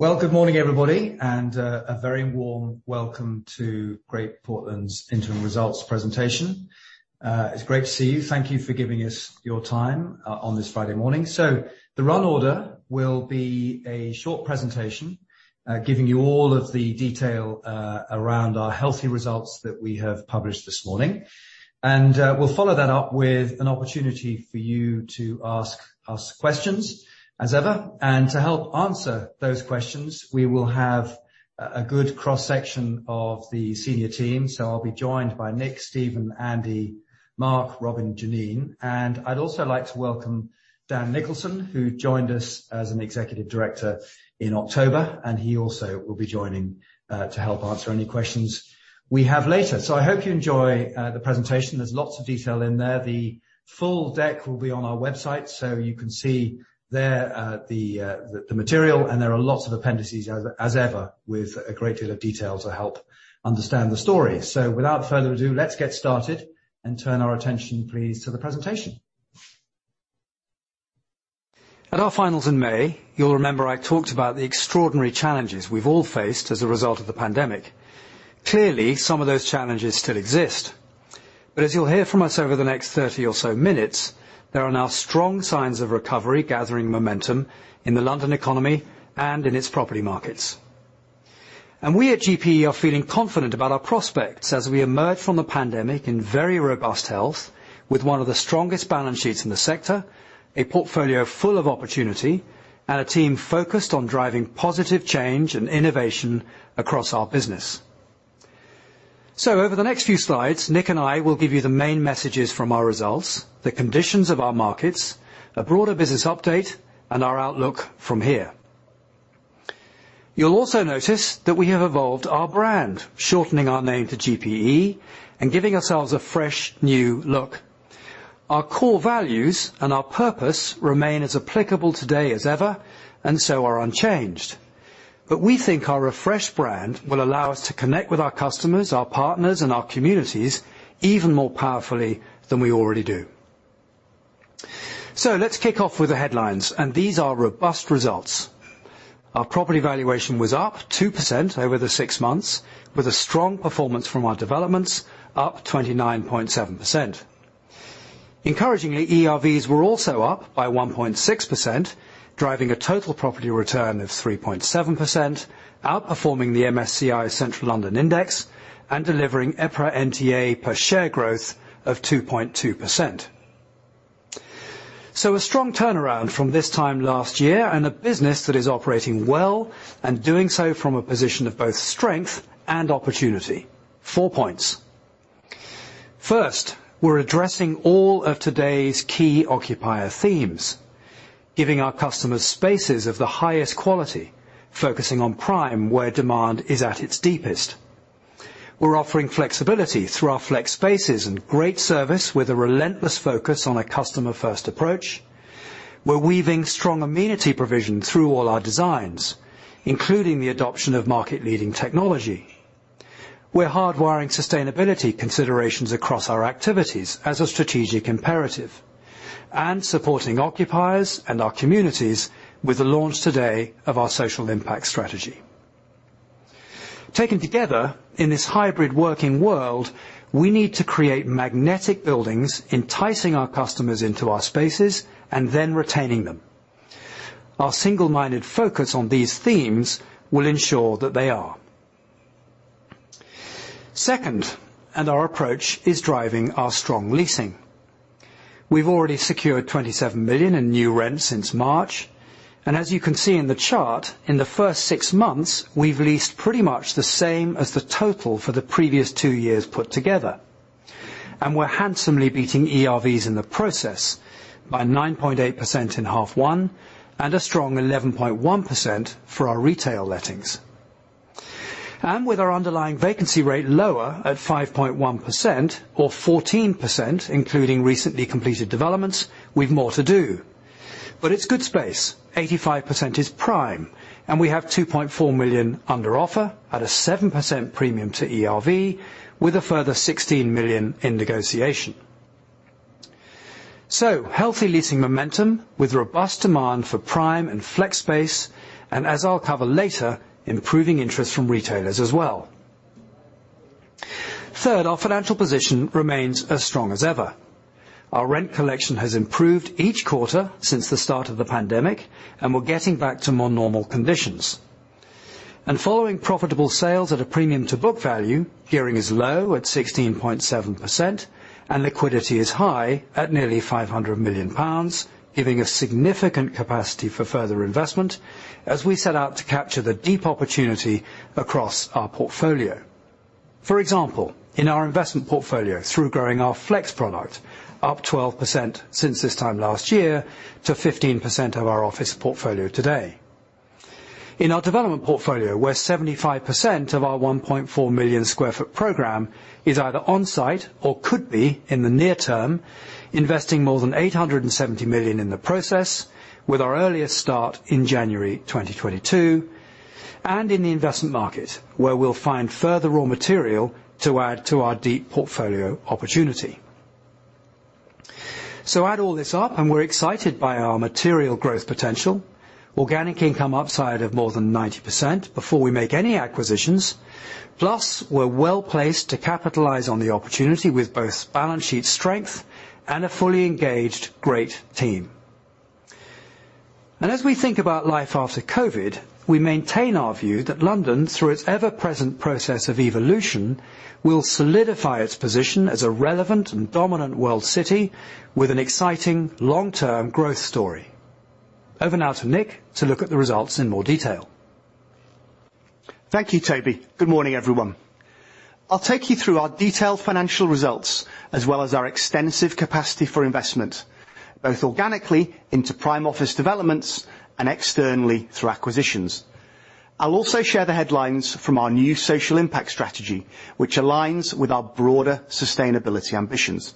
Well, good morning, everybody, and a very warm welcome to Great Portland's interim results presentation. It's great to see you. Thank you for giving us your time on this Friday morning. The run order will be a short presentation, giving you all of the detail around our healthy results that we have published this morning. We'll follow that up with an opportunity for you to ask us questions as ever. To help answer those questions, we will have a good cross-section of the senior team. I'll be joined by Nick, Stephen, Andy, Mark, Robin, Janine, and I'd also like to welcome Dan Nicholson, who joined us as an Executive Director in October. He also will be joining to help answer any questions we have later. I hope you enjoy the presentation. There's lots of detail in there. The full deck will be on our website, so you can see there the material, and there are lots of appendices as ever with a great deal of detail to help understand the story. Without further ado, let's get started and turn our attention, please, to the presentation. At our finals in May, you'll remember I talked about the extraordinary challenges we've all faced as a result of the pandemic. Clearly, some of those challenges still exist. As you'll hear from us over the next 30 or so minutes, there are now strong signs of recovery, gathering momentum in the London economy and in its property markets. We at GPE are feeling confident about our prospects as we emerge from the pandemic in very robust health with one of the strongest balance sheets in the sector, a portfolio full of opportunity, and a team focused on driving positive change and innovation across our business. Over the next few slides, Nick and I will give you the main messages from our results, the conditions of our markets, a broader business update, and our outlook from here. You'll also notice that we have evolved our brand, shortening our name to GPE and giving ourselves a fresh new look. Our core values and our purpose remain as applicable today as ever, and so are unchanged. We think our refreshed brand will allow us to connect with our customers, our partners, and our communities even more powerfully than we already do. Let's kick off with the headlines, and these are robust results. Our property valuation was up 2% over the six months with a strong performance from our developments, up 29.7%. Encouragingly, ERVs were also up by 1.6%, driving a total property return of 3.7%, outperforming the MSCI Central London Index and delivering EPRA NTA per share growth of 2.2%. A strong turnaround from this time last year and a business that is operating well and doing so from a position of both strength and opportunity. Four points. First, we're addressing all of today's key occupier themes, giving our customers spaces of the highest quality, focusing on Prime, where demand is at its deepest. We're offering flexibility through our Flex spaces and great service with a relentless focus on a customer-first approach. We're weaving strong amenity provision through all our designs, including the adoption of market-leading technology. We're hardwiring sustainability considerations across our activities as a strategic imperative and supporting occupiers and our communities with the launch today of our Social Impact Strategy. Taken together in this hybrid working world, we need to create magnetic buildings, enticing our customers into our spaces and then retaining them. Our single-minded focus on these themes will ensure that they are. Second, our approach is driving our strong leasing. We've already secured 27 million in new rents since March, and as you can see in the chart, in the first six months, we've leased pretty much the same as the total for the previous two years put together. We're handsomely beating ERVs in the process by 9.8% in H1 and a strong 11.1% for our retail lettings. With our underlying vacancy rate lower at 5.1% or 14%, including recently completed developments, we've more to do. It's good space. 85% is Prime, and we have 2.4 million under offer at a 7% premium to ERV with a further 16 million in negotiation. Healthy leasing momentum with robust demand for Prime and Flex space, and as I'll cover later, improving interest from retailers as well. Third, our financial position remains as strong as ever. Our rent collection has improved each quarter since the start of the pandemic, and we're getting back to more normal conditions. Following profitable sales at a premium to book value, gearing is low at 16.7%, and liquidity is high at nearly 500 million pounds, giving us significant capacity for further investment as we set out to capture the deep opportunity across our portfolio. For example, in our investment portfolio, through growing our Flex product, up 12% since this time last year to 15% of our office portfolio today. In our development portfolio, where 75% of our 1.4 million sq ft program is either on-site or could be in the near term, investing more than 870 million in the process with our earliest start in January 2022, and in the investment market, where we'll find further raw material to add to our deep portfolio opportunity. Add all this up, and we're excited by our material growth potential. Organic income upside of more than 90% before we make any acquisitions. Plus, we're well-placed to capitalize on the opportunity with both balance sheet strength and a fully engaged great team. As we think about life after COVID, we maintain our view that London, through its ever-present process of evolution, will solidify its position as a relevant and dominant world city with an exciting long-term growth story. Over now to Nick to look at the results in more detail. Thank you, Toby. Good morning, everyone. I'll take you through our detailed financial results, as well as our extensive capacity for investment, both organically into Prime office developments and externally through acquisitions. I'll also share the headlines from our new Social Impact Strategy, which aligns with our broader sustainability ambitions.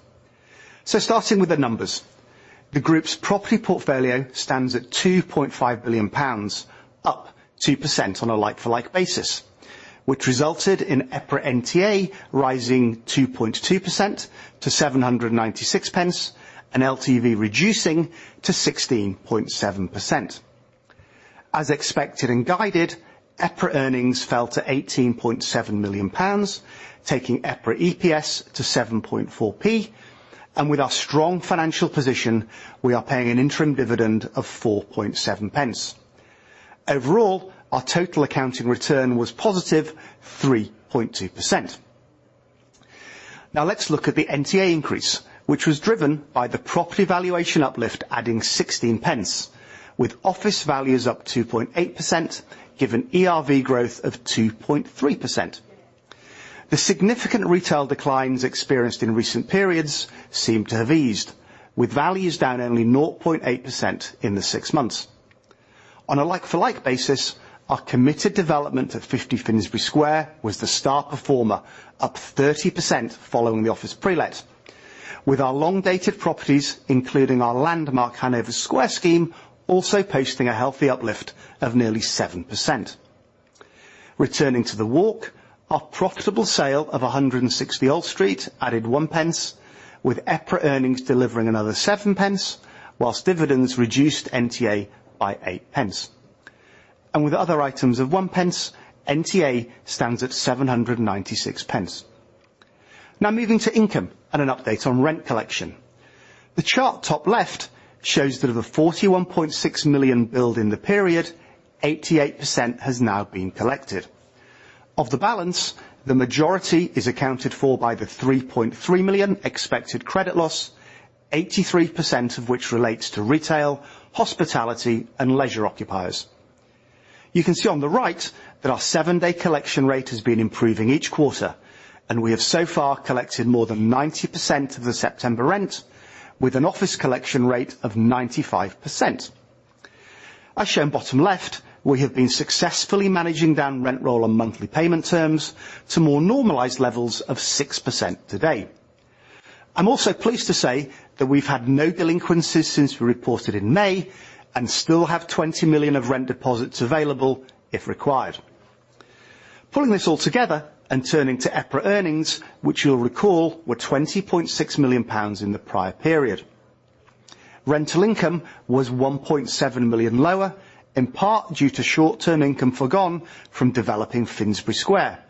Starting with the numbers. The group's property portfolio stands at 2.5 billion pounds, up 2% on a like-for-like basis, which resulted in EPRA NTA rising 2.2% to 7.96 and LTV reducing to 16.7%. As expected and guided, EPRA earnings fell to GBP 18.7 million, taking EPRA EPS to 7.4. With our strong financial position, we are paying an interim dividend of 4.7. Overall, our total accounting return was positive 3.2%. Now, let's look at the NTA increase, which was driven by the property valuation uplift adding 1.6, with office values up 2.8%, given ERV growth of 2.3%. The significant retail declines experienced in recent periods seem to have eased, with values down only 0.8% in the six months. On a like-for-like basis, our committed development at 50 Finsbury Square was the star performer, up 30% following the office pre-let. With our long-dated properties, including our landmark Hanover Square scheme, also posting a healthy uplift of nearly 7%. Returning to the walk, our profitable sale of 160 Old Street added 0.1, with EPRA earnings delivering another 0.7 while dividends reduced NTA by 0.8. With other items of 0.1, NTA stands at 7.96. Now, moving to income and an update on rent collection. The chart top left shows that of the 41.6 million billed in the period, 88% has now been collected. Of the balance, the majority is accounted for by the 3.3 million expected credit loss, 83% of which relates to retail, hospitality, and leisure occupiers. You can see on the right that our seven-day collection rate has been improving each quarter, and we have so far collected more than 90% of the September rent with an office collection rate of 95%. As shown bottom left, we have been successfully managing down rent roll on monthly payment terms to more normalized levels of 6% to date. I'm also pleased to say that we've had no delinquencies since we reported in May and still have 20 million of rent deposits available if required. Pulling this all together and turning to EPRA earnings, which you'll recall were 20.6 million pounds in the prior period. Rental income was 1.7 million lower, in part due to short-term income forgone from developing Finsbury Square.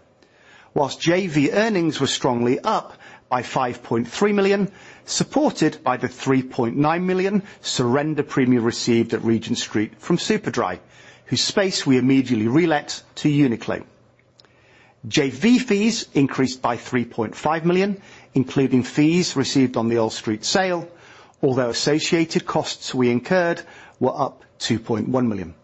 While JV earnings were strongly up by 5.3 million, supported by the 3.9 million surrender premium received at Regent Street from Superdry, whose space we immediately relet to Uniqlo. JV fees increased by 3.5 million, including fees received on the Old Street sale, although associated costs we incurred were up 2.1 million.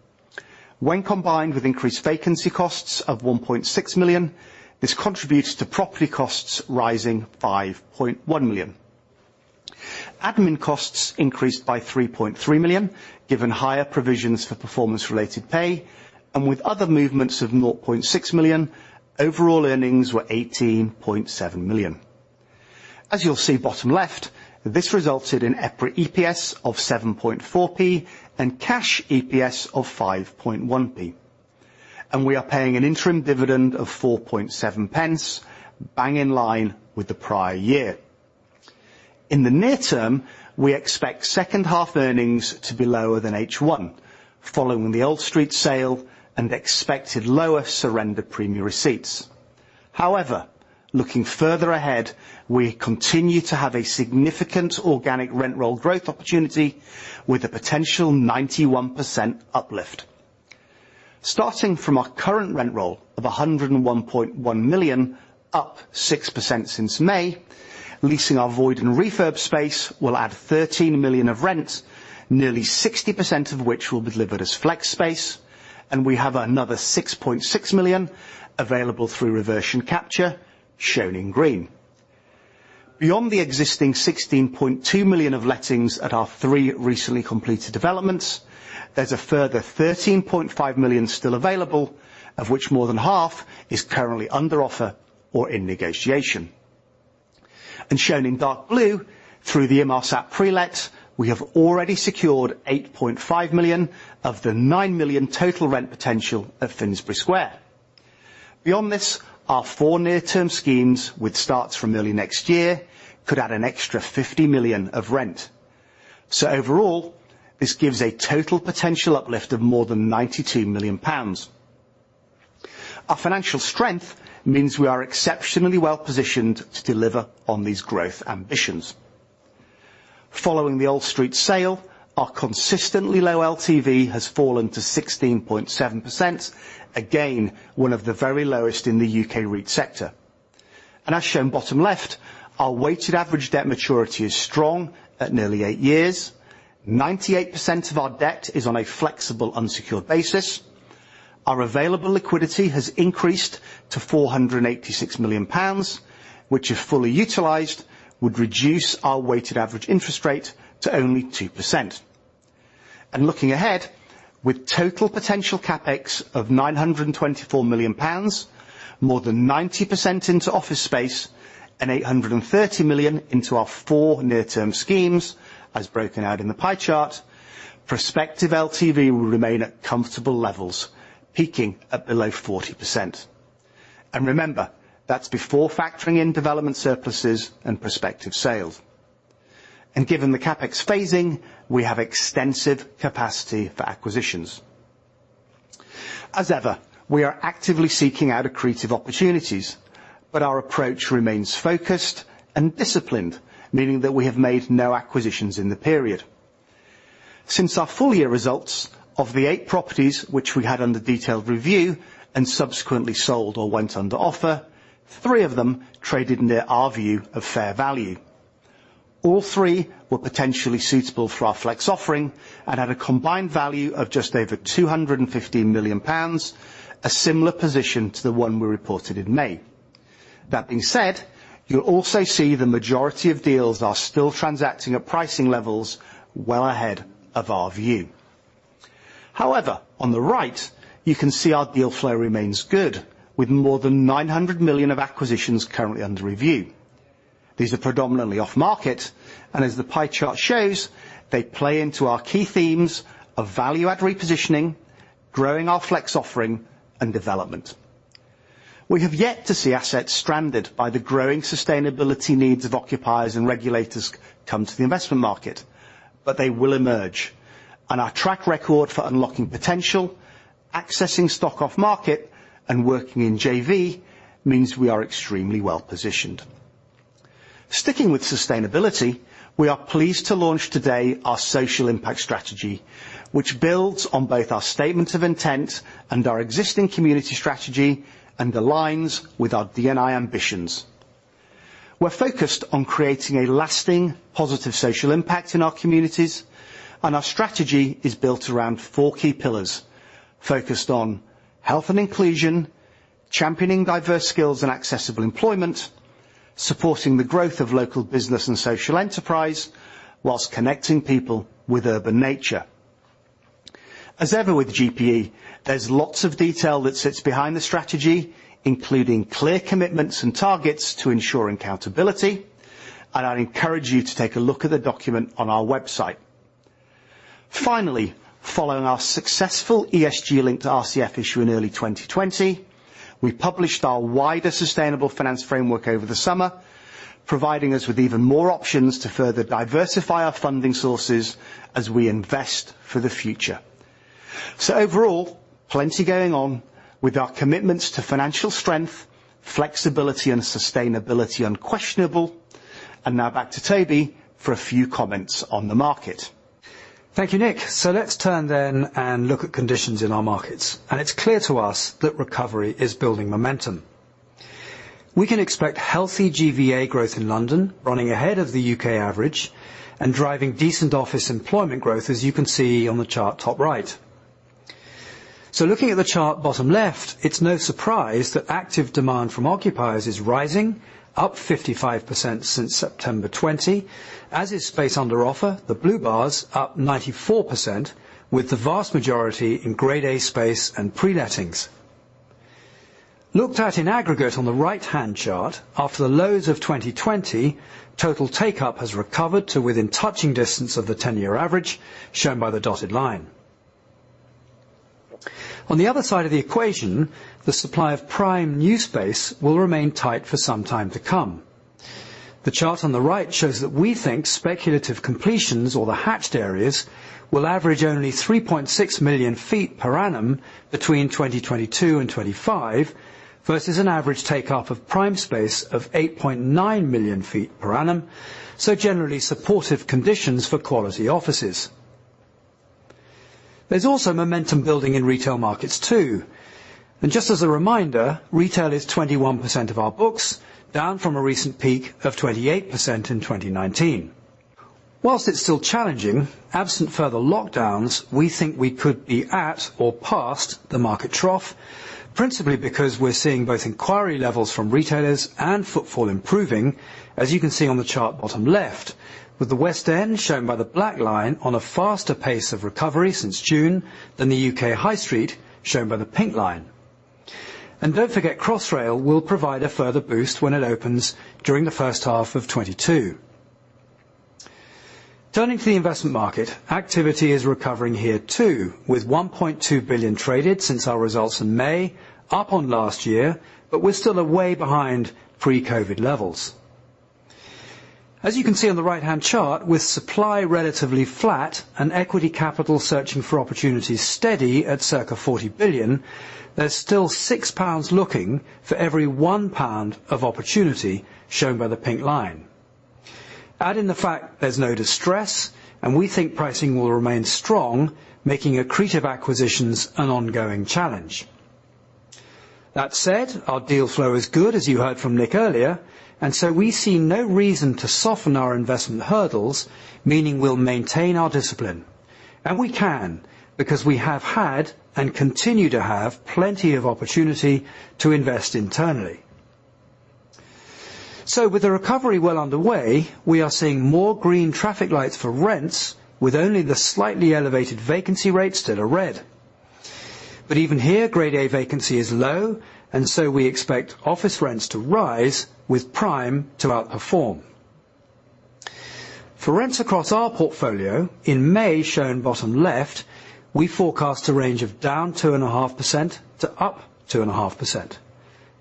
When combined with increased vacancy costs of 1.6 million, this contributes to property costs rising 5.1 million. Admin costs increased by 3.3 million, given higher provisions for performance-related pay and with other movements of 0.6 million, overall earnings were 18.7 million. As you'll see bottom left, this resulted in EPRA EPS of 7.4 and cash EPS of 5.1. We are paying an interim dividend of 4.7, bang in line with the prior year. In the near term, we expect second half earnings to be lower than H1 following the Old Street sale and expected lower surrender premium receipts. However, looking further ahead, we continue to have a significant organic rent roll growth opportunity with a potential 91% uplift. Starting from our current rent roll of 101.1 million, up 6% since May, leasing our void and refurb space will add 13 million of rent, nearly 60% of which will be delivered as Flex space. We have another 6.6 million available through reversion capture, shown in green. Beyond the existing 16.2 million of lettings at our three recently completed developments, there's a further 13.5 million still available, of which more than half is currently under offer or in negotiation. Shown in dark blue through the Inmarsat pre-let, we have already secured 8.5 million of the 9 million total rent potential at Finsbury Square. Beyond this, our four near-term schemes, which starts from early next year, could add an extra 50 million of rent. Overall, this gives a total potential uplift of more than 92 million pounds. Our financial strength means we are exceptionally well-positioned to deliver on these growth ambitions. Following the Old Street sale, our consistently low LTV has fallen to 16.7%, again, one of the very lowest in the U.K. REIT sector. As shown bottom left, our weighted average debt maturity is strong at nearly eight years. 98% of our debt is on a flexible unsecured basis. Our available liquidity has increased to 486 million pounds, which if fully utilized, would reduce our weighted average interest rate to only 2%. Looking ahead, with total potential CapEx of 924 million pounds, more than 90% into office space, and 830 million into our four near-term schemes, as broken out in the pie chart, prospective LTV will remain at comfortable levels, peaking at below 40%. Remember, that's before factoring in development surpluses and prospective sales. Given the CapEx phasing, we have extensive capacity for acquisitions. As ever, we are actively seeking out accretive opportunities, but our approach remains focused and disciplined, meaning that we have made no acquisitions in the period. Since our full year results, of the eight properties which we had under detailed review and subsequently sold or went under offer, three of them traded near our view of fair value. All three were potentially suitable for our Flex offering and had a combined value of just over 215 million pounds, a similar position to the one we reported in May. That being said, you'll also see the majority of deals are still transacting at pricing levels well ahead of our view. However, on the right, you can see our deal flow remains good, with more than 900 million of acquisitions currently under review. These are predominantly off-market, and as the pie chart shows, they play into our key themes of value add repositioning, growing our Flex offering, and development. We have yet to see assets stranded by the growing sustainability needs of occupiers and regulators come to the investment market, but they will emerge. Our track record for unlocking potential, accessing stock off-market, and working in JV means we are extremely well-positioned. Sticking with sustainability, we are pleased to launch today our Social Impact Strategy, which builds on both our statement of intent and our existing community strategy and aligns with our D&I ambitions. We're focused on creating a lasting positive social impact in our communities, and our strategy is built around four key pillars, focused on health and inclusion, championing diverse skills and accessible employment, supporting the growth of local business and social enterprise, while connecting people with urban nature. As ever with GPE, there's lots of detail that sits behind the strategy, including clear commitments and targets to ensuring accountability, and I'd encourage you to take a look at the document on our website. Finally, following our successful ESG-linked RCF issue in early 2020, we published our wider Sustainable Finance Framework over the summer, providing us with even more options to further diversify our funding sources as we invest for the future. Overall, plenty going on with our commitments to financial strength, flexibility and sustainability unquestionable. Now back to Toby for a few comments on the market. Thank you, Nick. Let's turn then and look at conditions in our markets. It's clear to us that recovery is building momentum. We can expect healthy GVA growth in London, running ahead of the U.K. average and driving decent office employment growth, as you can see on the chart top right. Looking at the chart bottom left, it's no surprise that active demand from occupiers is rising, up 55% since September 2020, as is space under offer, the blue bar's up 94%, with the vast majority in Grade A space and pre-lettings. Looked at in aggregate on the right-hand chart, after the lows of 2020, total take-up has recovered to within touching distance of the 10-year average, shown by the dotted line. On the other side of the equation, the supply of Prime new space will remain tight for some time to come. The chart on the right shows that we think speculative completions, or the hatched areas, will average only 3.6 million sq ft per annum between 2022 and 2025, versus an average take-up of Prime space of 8.9 million sq ft per annum, so generally supportive conditions for quality offices. There's also momentum building in retail markets too. Just as a reminder, retail is 21% of our books, down from a recent peak of 28% in 2019. Whilst it's still challenging, absent further lockdowns, we think we could be at or past the market trough, principally because we're seeing both inquiry levels from retailers and footfall improving, as you can see on the chart bottom left, with the West End, shown by the black line, on a faster pace of recovery since June than the U.K. High Street, shown by the pink line. Don't forget Crossrail will provide a further boost when it opens during first half of 2022. Turning to the investment market, activity is recovering here too, with 1.2 billion traded since our results in May, up on last year, but we're still way behind pre-COVID levels. As you can see on the right-hand chart, with supply relatively flat and equity capital searching for opportunities steady at circa 40 billion, there's still 6 pounds looking for every 1 pound of opportunity shown by the pink line. Add in the fact there's no distress, and we think pricing will remain strong, making accretive acquisitions an ongoing challenge. That said, our deal flow is good, as you heard from Nick earlier, and so we see no reason to soften our investment hurdles, meaning we'll maintain our discipline. We can, because we have had, and continue to have, plenty of opportunity to invest internally. With the recovery well underway, we are seeing more green traffic lights for rents, with only the slightly elevated vacancy rates that are red. Even here, Grade A vacancy is low, and so we expect office rents to rise, with Prime to outperform. For rents across our portfolio, in May, shown bottom left, we forecast a range of down 2.5% to up 2.5%.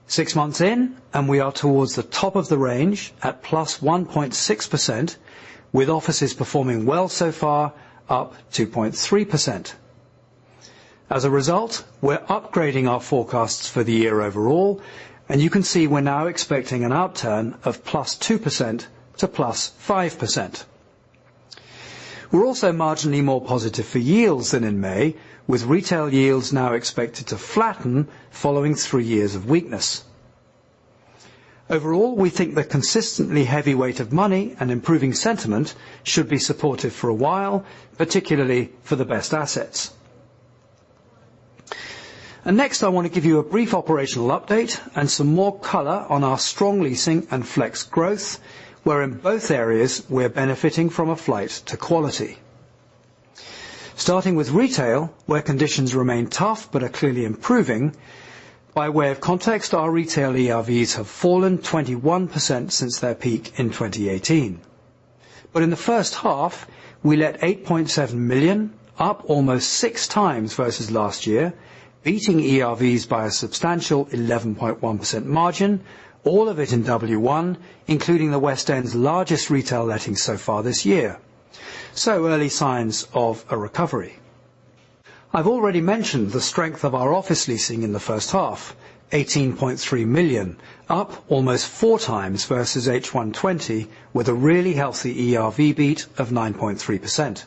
Six months in, and we are towards the top of the range at +1.6%, with offices performing well so far up 2.3%. As a result, we're upgrading our forecasts for the year overall, and you can see we're now expecting an upturn of +2%-+5%. We're also marginally more positive for yields than in May, with retail yields now expected to flatten following three years of weakness. Overall, we think the consistently heavy weight of money and improving sentiment should be supportive for a while, particularly for the best assets. Next, I wanna give you a brief operational update and some more color on our strong leasing and Flex growth, where in both areas, we're benefiting from a flight to quality. Starting with retail, where conditions remain tough, but are clearly improving, by way of context, our retail ERVs have fallen 21% since their peak in 2018. In the first half, we let 8.7 million, up almost 6x versus last year, beating ERVs by a substantial 11.1% margin, all of it in W1, including the West End's largest retail letting so far this year. Early signs of a recovery. I've already mentioned the strength of our office leasing in the first half, 18.3 million, up almost 4x versus H1 2020, with a really healthy ERV beat of 9.3%.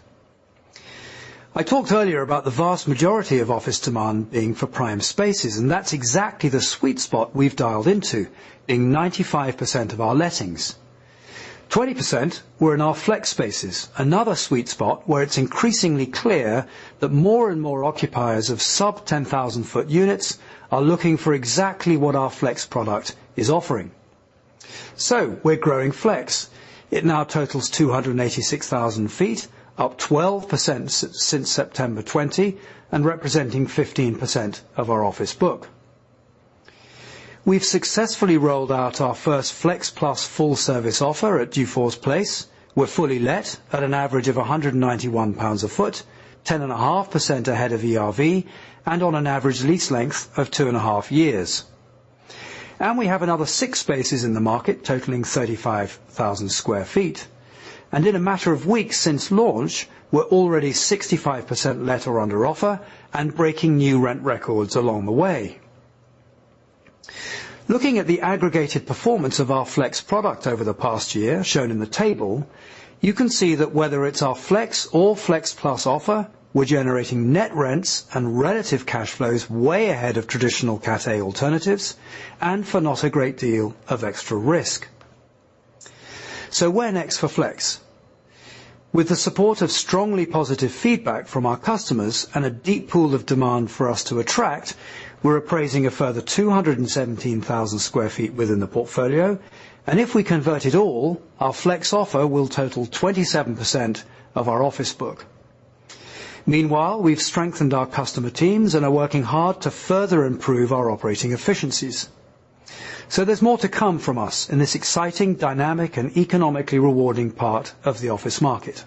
I talked earlier about the vast majority of office demand being for Prime spaces, and that's exactly the sweet spot we've dialed into in 95% of our lettings. 20% were in our Flex spaces, another sweet spot where it's increasingly clear that more and more occupiers of sub 10,000 sq ft units are looking for exactly what our Flex product is offering. We're growing Flex. It now totals 286,000 sq ft, up 12% since September 2020 and representing 15% of our office book. We've successfully rolled out our first Flex+ full-service offer at Dufour's Place. We're fully let at an average of 191 pounds/sq ft, 10.5% ahead of ERV, and on an average lease length of 2.5 years. We have another six spaces in the market totaling 35,000 sq ft. In a matter of weeks since launch, we're already 65% let or under offer and breaking new rent records along the way. Looking at the aggregated performance of our Flex product over the past year, shown in the table, you can see that whether it's our Flex or Flex+ offer, we're generating net rents and relative cash flows way ahead of traditional Cat A alternatives and for not a great deal of extra risk. Where next for Flex? With the support of strongly positive feedback from our customers and a deep pool of demand for us to attract, we're appraising a further 217,000 sq ft within the portfolio, and if we convert it all, our Flex offer will total 27% of our office book. Meanwhile, we've strengthened our customer teams and are working hard to further improve our operating efficiencies. There's more to come from us in this exciting, dynamic, and economically rewarding part of the office market.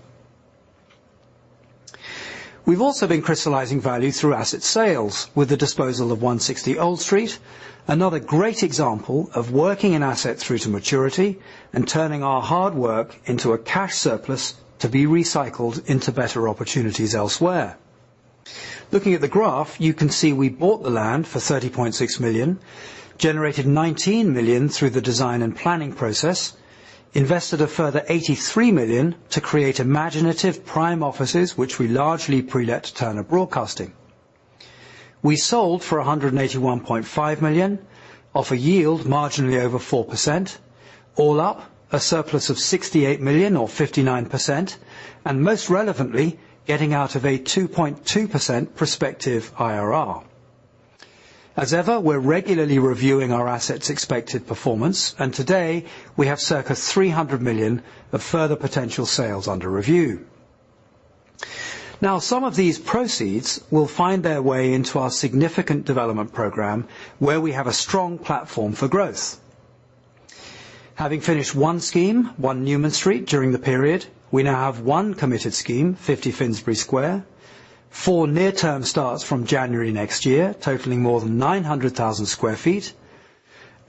We've also been crystallizing value through asset sales with the disposal of 160 Old Street, another great example of working an asset through to maturity and turning our hard work into a cash surplus to be recycled into better opportunities elsewhere. Looking at the graph, you can see we bought the land for 30.6 million, generated 19 million through the design and planning process, invested a further 83 million to create imaginative Prime offices, which we largely pre-let to Turner Broadcasting. We sold for 181.5 million, off a yield marginally over 4%, all up a surplus of 68 million or 59%, and most relevantly, getting out of a 2.2% prospective IRR. As ever, we're regularly reviewing our assets' expected performance, and today, we have circa 300 million of further potential sales under review. Now some of these proceeds will find their way into our significant development program where we have a strong platform for growth. Having finished one scheme, One Newman Street, during the period, we now have one committed scheme, 50 Finsbury Square. Four near-term starts from January next year, totaling more than 900,000 sq ft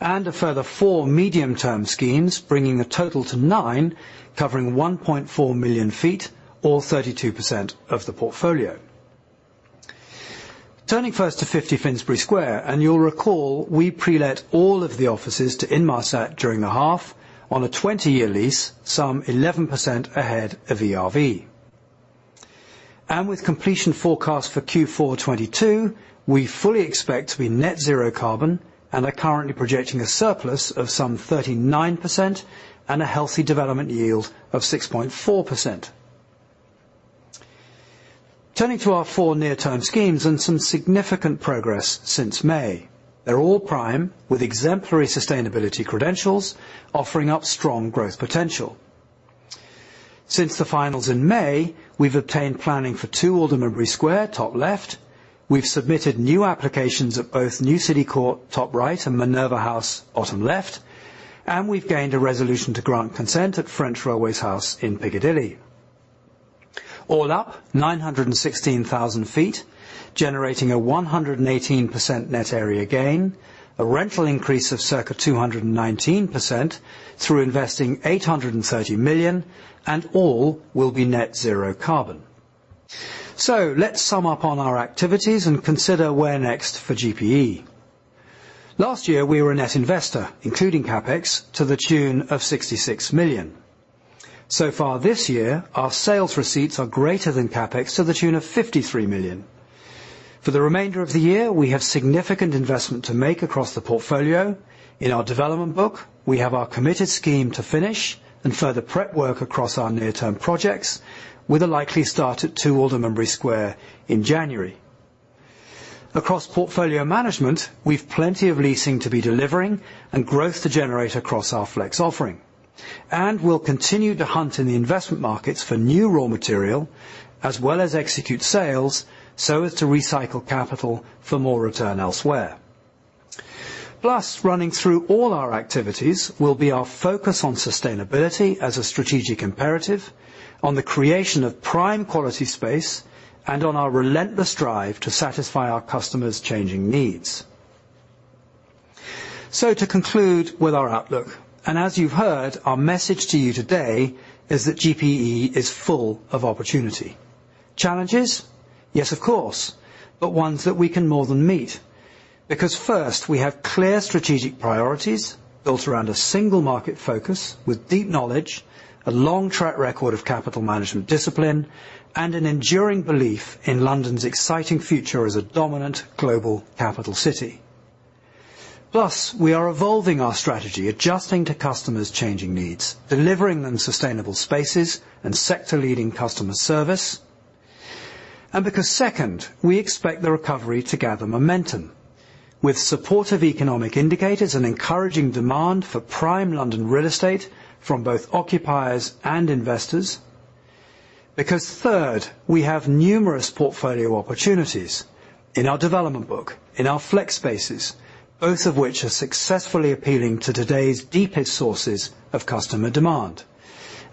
and a further four medium-term schemes, bringing the total to nine, covering 1.4 million sq ft or 32% of the portfolio. Turning first to 50 Finsbury Square. You'll recall we pre-let all of the offices to Inmarsat during the half on a 20-year lease, some 11% ahead of ERV. With completion forecast for Q4 2022, we fully expect to be net zero carbon and are currently projecting a surplus of some 39% and a healthy development yield of 6.4%. Turning to our four near-term schemes and some significant progress since May. They're all Prime with exemplary sustainability credentials offering up strong growth potential. Since the finals in May, we've obtained planning for 2 Aldermanbury Square, top left. We've submitted new applications at both New City Court, top right, and Minerva House, bottom left, and we've gained a resolution to grant consent at French Railways House in Piccadilly. All up, 916,000 sq ft, generating a 118% net area gain, a rental increase of circa 219% through investing 830 million and all will be net zero carbon. Let's sum up on our activities and consider where next for GPE. Last year we were a net investor, including CapEx, to the tune of 66 million. Far this year, our sales receipts are greater than CapEx to the tune of 53 million. For the remainder of the year, we have significant investment to make across the portfolio. In our development book, we have our committed scheme to finish and further prep work across our near-term projects with a likely start at 2 Aldermanbury Square in January. Across portfolio management, we've plenty of leasing to be delivering and growth to generate across our Flex offering. We'll continue to hunt in the investment markets for new raw material as well as execute sales, so as to recycle capital for more return elsewhere. Running through all our activities will be our focus on sustainability as a strategic imperative on the creation of Prime quality space and on our relentless drive to satisfy our customers' changing needs. To conclude with our outlook, and as you've heard, our message to you today is that GPE is full of opportunity. Challenges? Yes, of course, but ones that we can more than meet. Because first, we have clear strategic priorities built around a single market focus with deep knowledge, a long track record of capital management discipline, and an enduring belief in London's exciting future as a dominant global capital city. Plus, we are evolving our strategy, adjusting to customers' changing needs, delivering them sustainable spaces and sector-leading customer service. Because second, we expect the recovery to gather momentum with supportive economic indicators and encouraging demand for Prime London real estate from both occupiers and investors. Because third, we have numerous portfolio opportunities in our development book, in our Flex spaces, both of which are successfully appealing to today's deepest sources of customer demand.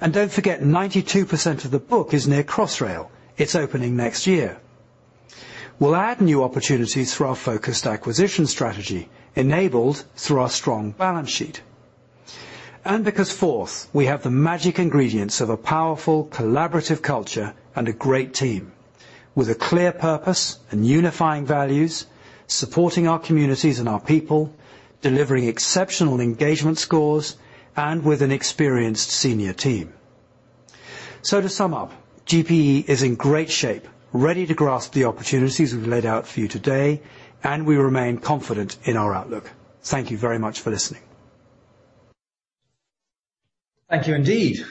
Don't forget, 92% of the book is near Crossrail. It's opening next year. We'll add new opportunities through our focused acquisition strategy enabled through our strong balance sheet. Because fourth, we have the magic ingredients of a powerful collaborative culture and a great team with a clear purpose and unifying values, supporting our communities and our people, delivering exceptional engagement scores, and with an experienced senior team. To sum up, GPE is in great shape, ready to grasp the opportunities we've laid out for you today, and we remain confident in our outlook. Thank you very much for listening. Thank you indeed.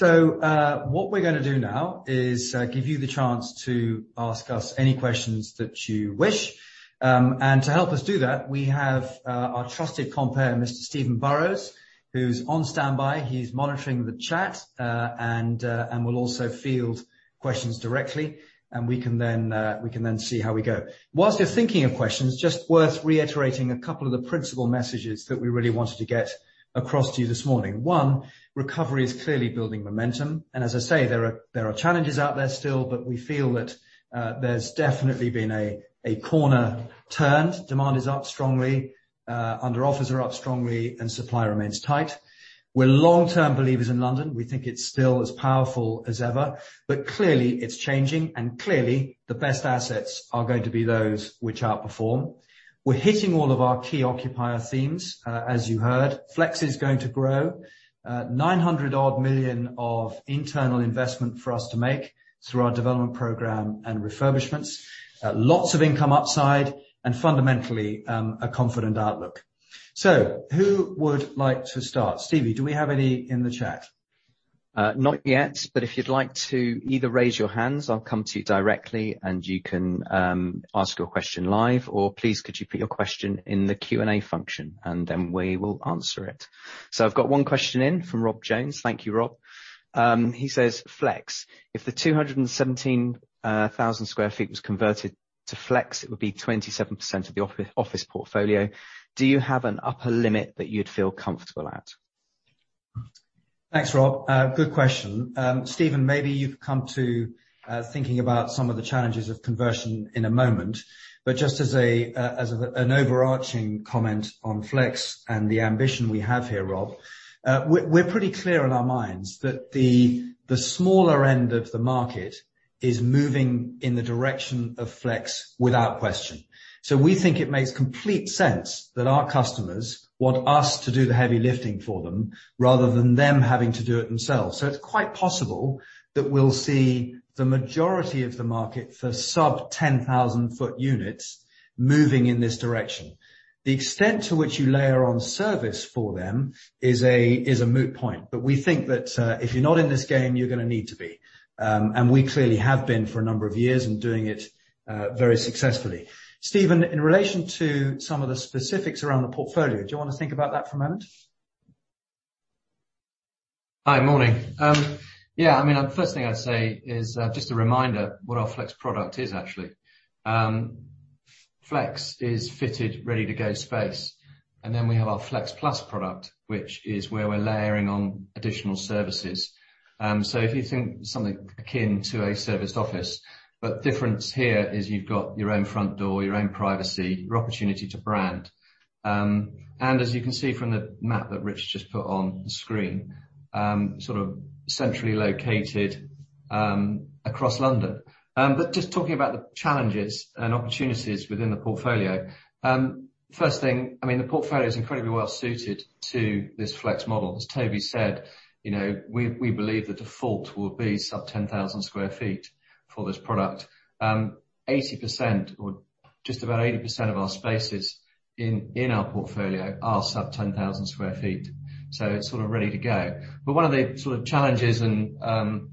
What we're gonna do now is give you the chance to ask us any questions that you wish. To help us do that, we have our trusted compere, Mr. Stephen Burrows, who's on standby. He's monitoring the chat, and will also field questions directly, and we can then see how we go. While you're thinking of questions, just worth reiterating a couple of the principal messages that we really wanted to get across to you this morning. One, recovery is clearly building momentum, and as I say, there are challenges out there still, but we feel that, there's definitely been a corner turned. Demand is up strongly, under offers are up strongly, and supply remains tight. We're long-term believers in London. We think it's still as powerful as ever, but clearly it's changing, and clearly the best assets are going to be those which outperform. We're hitting all of our key occupier themes, as you heard. Flex is going to grow. 900-odd million of internal investment for us to make through our development program and refurbishments. Lots of income upside and fundamentally, a confident outlook. Who would like to start? Stevie, do we have any in the chat? Not yet, but if you'd like to either raise your hands, I'll come to you directly and you can ask your question live, or please could you put your question in the Q&A function, and then we will answer it. I've got one question in from Rob Jones. Thank you, Rob. He says, "Flex, if the 217,000 sq ft was converted to Flex, it would be 27% of the office portfolio. Do you have an upper limit that you'd feel comfortable at? Thanks, Rob. Good question. Stephen, maybe you've come to thinking about some of the challenges of conversion in a moment. Just as an overarching comment on Flex and the ambition we have here, Rob, we're pretty clear in our minds that the smaller end of the market is moving in the direction of Flex without question. We think it makes complete sense that our customers want us to do the heavy lifting for them, rather than them having to do it themselves. It's quite possible that we'll see the majority of the market for sub-10,000 sq ft units moving in this direction. The extent to which you layer on service for them is a moot point. We think that if you're not in this game, you're gonna need to be. We clearly have been for a number of years and doing it very successfully. Stephen, in relation to some of the specifics around the portfolio, do you wanna think about that for a moment? Hi. Morning. Yeah, I mean, first thing I'd say is just a reminder what our Flex product is actually. Flex is fitted ready to go space. Then we have our Flex+ product, which is where we're layering on additional services. If you think something akin to a serviced office, but difference here is you've got your own front door, your own privacy, your opportunity to brand. As you can see from the map that Rich just put on the screen, sort of centrally located across London. Just talking about the challenges and opportunities within the portfolio. First thing, I mean, the portfolio is incredibly well suited to this Flex model. As Toby said, you know, we believe the default will be sub 10,000 sq ft for this product. 80% or just about 80% of our spaces in our portfolio are sub-10,000 sq ft, so it's sort of ready to go. One of the sort of challenges, I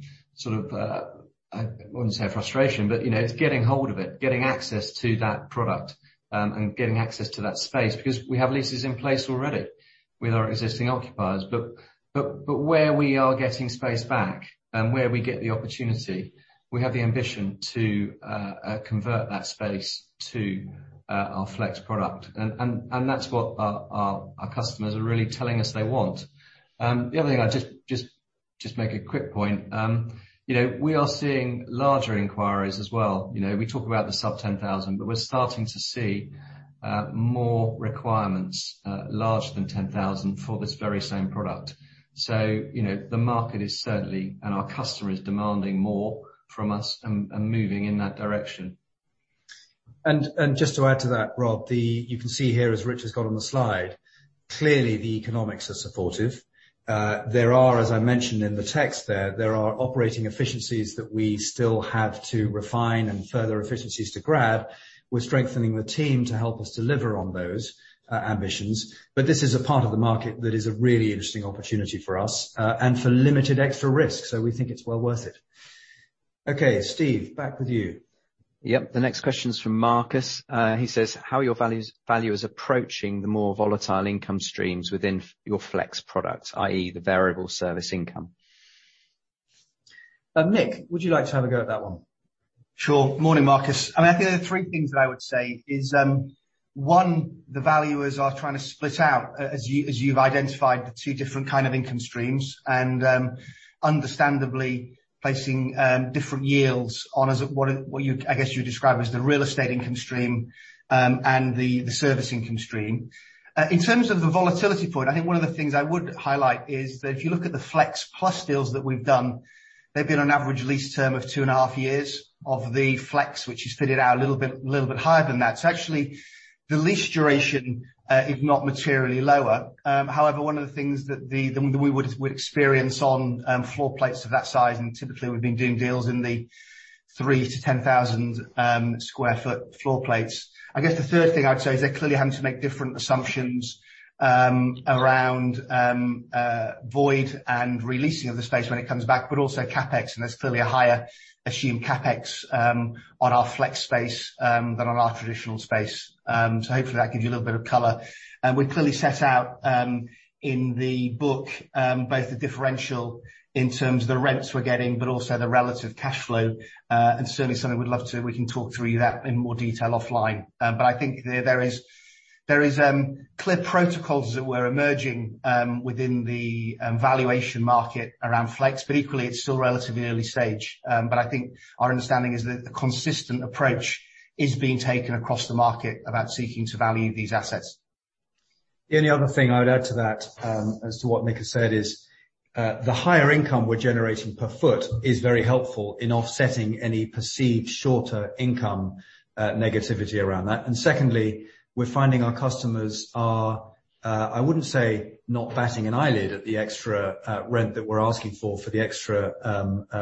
wouldn't say a frustration, but you know, it's getting hold of it, getting access to that product, and getting access to that space. Because we have leases in place already with our existing occupiers. Where we are getting space back and where we get the opportunity, we have the ambition to convert that space to our Flex product. That's what our customers are really telling us they want. The other thing, I'd just make a quick point. You know, we are seeing larger inquiries as well. You know, we talk about the sub-10,000, but we're starting to see more requirements larger than 10,000 for this very same product. You know, the market is certainly and our customers demanding more from us and moving in that direction. Just to add to that, Rob, you can see here, as Rich has got on the slide, clearly the economics are supportive. There are, as I mentioned in the text there, operating efficiencies that we still have to refine and further efficiencies to grab. We're strengthening the team to help us deliver on those ambitions. This is a part of the market that is a really interesting opportunity for us, and for limited extra risk, so we think it's well worth it. Okay, Steve, back with you. Yep. The next question is from Marcus. He says, "How are your valuers approaching the more volatile income streams within your Flex product, i.e. the variable service income? Nick, would you like to have a go at that one? Sure. Morning, Marcus. I mean, I think there are three things that I would say, one, the valuers are trying to split out, as you've identified, the two different kind of income streams and, understandably placing different yields on what you, I guess you described as the real estate income stream, and the service income stream. In terms of the volatility point, I think one of the things I would highlight is that if you look at the Flex+ deals that we've done, they've been an average lease term of 2.5 years of the Flex, which is fitted out a little bit higher than that. Actually, the lease duration is not materially lower. However, one of the things that we would experience on floor plates of that size, and typically we've been doing deals in the 3,000 sq ft-10,000 sq ft floor plates. I guess the third thing I'd say is they're clearly having to make different assumptions around a void and releasing of the space when it comes back, but also CapEx, and there's clearly a higher assumed CapEx on our Flex space than on our traditional space. So hopefully that gives you a little bit of color. We clearly set out in the book both the differential in terms of the rents we're getting, but also the relative cash flow, and certainly something we'd love to, we can talk through that in more detail offline. I think there is clear protocols that were emerging within the valuation market around Flex, but equally, it's still relatively early stage. I think our understanding is that the consistent approach is being taken across the market about seeking to value these assets. The only other thing I would add to that, as to what Nick has said, is the higher income we're generating per foot is very helpful in offsetting any perceived shorter income negativity around that. Secondly, we're finding our customers are I wouldn't say not batting an eyelid at the extra rent that we're asking for for the extra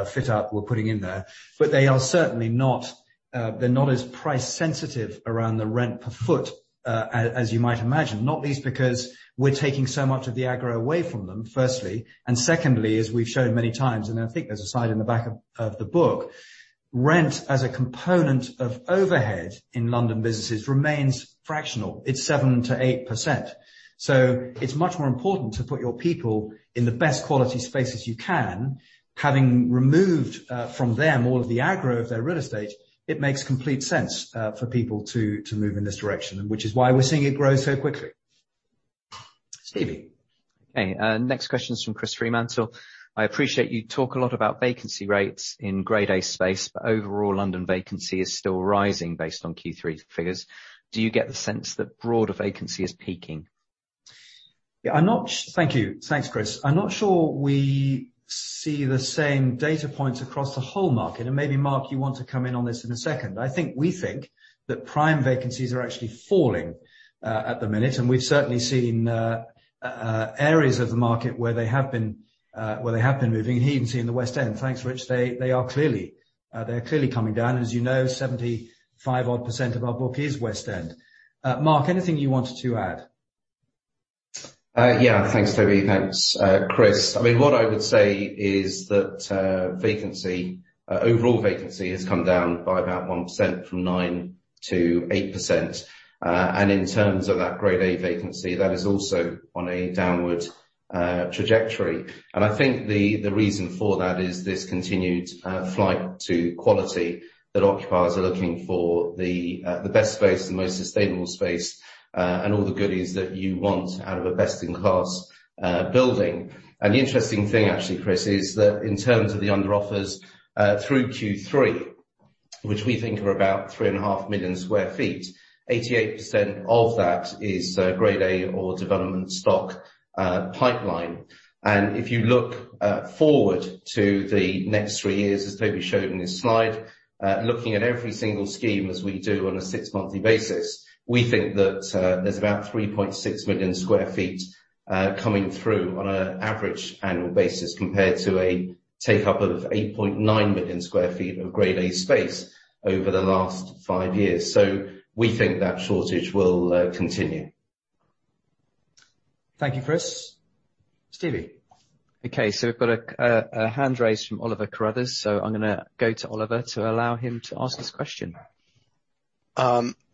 fit out we're putting in there, but they are certainly not they're not as price sensitive around the rent per foot as you might imagine, not least because we're taking so much of the agro away from them, firstly. Secondly, as we've shown many times, and I think there's a slide in the back of the book, rent as a component of overhead in London businesses remains fractional. It's 7%-8%. It's much more important to put your people in the best quality spaces you can. Having removed from them all of the aggro of their real estate, it makes complete sense for people to move in this direction, which is why we're seeing it grow so quickly. Stevie. Okay, next question's from Chris Fremantle. I appreciate you talk a lot about vacancy rates in Grade A space, but overall, London vacancy is still rising based on Q3 figures. Do you get the sense that broader vacancy is peaking? Thank you. Thanks, Chris. I'm not sure we see the same data points across the whole market, and maybe Mark, you want to come in on this in a second. I think we think that Prime vacancies are actually falling at the minute, and we've certainly seen areas of the market where they have been moving. We've even seen in the West End, thanks, Rich. They are clearly coming down. As you know, 75%-odd of our book is West End. Mark, anything you wanted to add? Yeah. Thanks, Toby. Thanks, Chris. I mean, what I would say is that vacancy, overall vacancy has come down by about 1% from 9%-8%. In terms of that Grade A vacancy, that is also on a downward trajectory. I think the reason for that is this continued flight to quality that occupiers are looking for the best space, the most sustainable space, and all the goodies that you want out of a best-in-class building. The interesting thing, actually, Chris, is that in terms of the under offers through Q3, which we think are about 3.5 million sq ft, 88% of that is Grade A or development stock pipeline. If you look forward to the next three years, as Toby showed in his slide, looking at every single scheme as we do on a six-monthly basis, we think that there's about 3.6 million sq ft coming through on an average annual basis, compared to a take-up of 8.9 million sq ft of Grade A space over the last five years. We think that shortage will continue. Thank you, Chris. Stevie. Okay, we've got a hand raised from Oliver. I'm gonna go to Oliver to allow him to ask his question.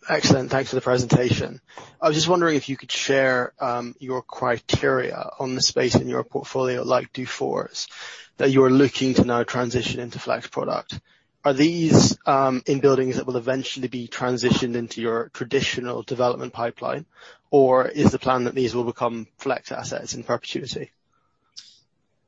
Excellent. Thanks for the presentation. I was just wondering if you could share, your criteria on the space in your portfolio, like Dufour's Place, that you're looking to now transition into Flex product. Are these, in buildings that will eventually be transitioned into your traditional development pipeline, or is the plan that these will become Flex assets in perpetuity?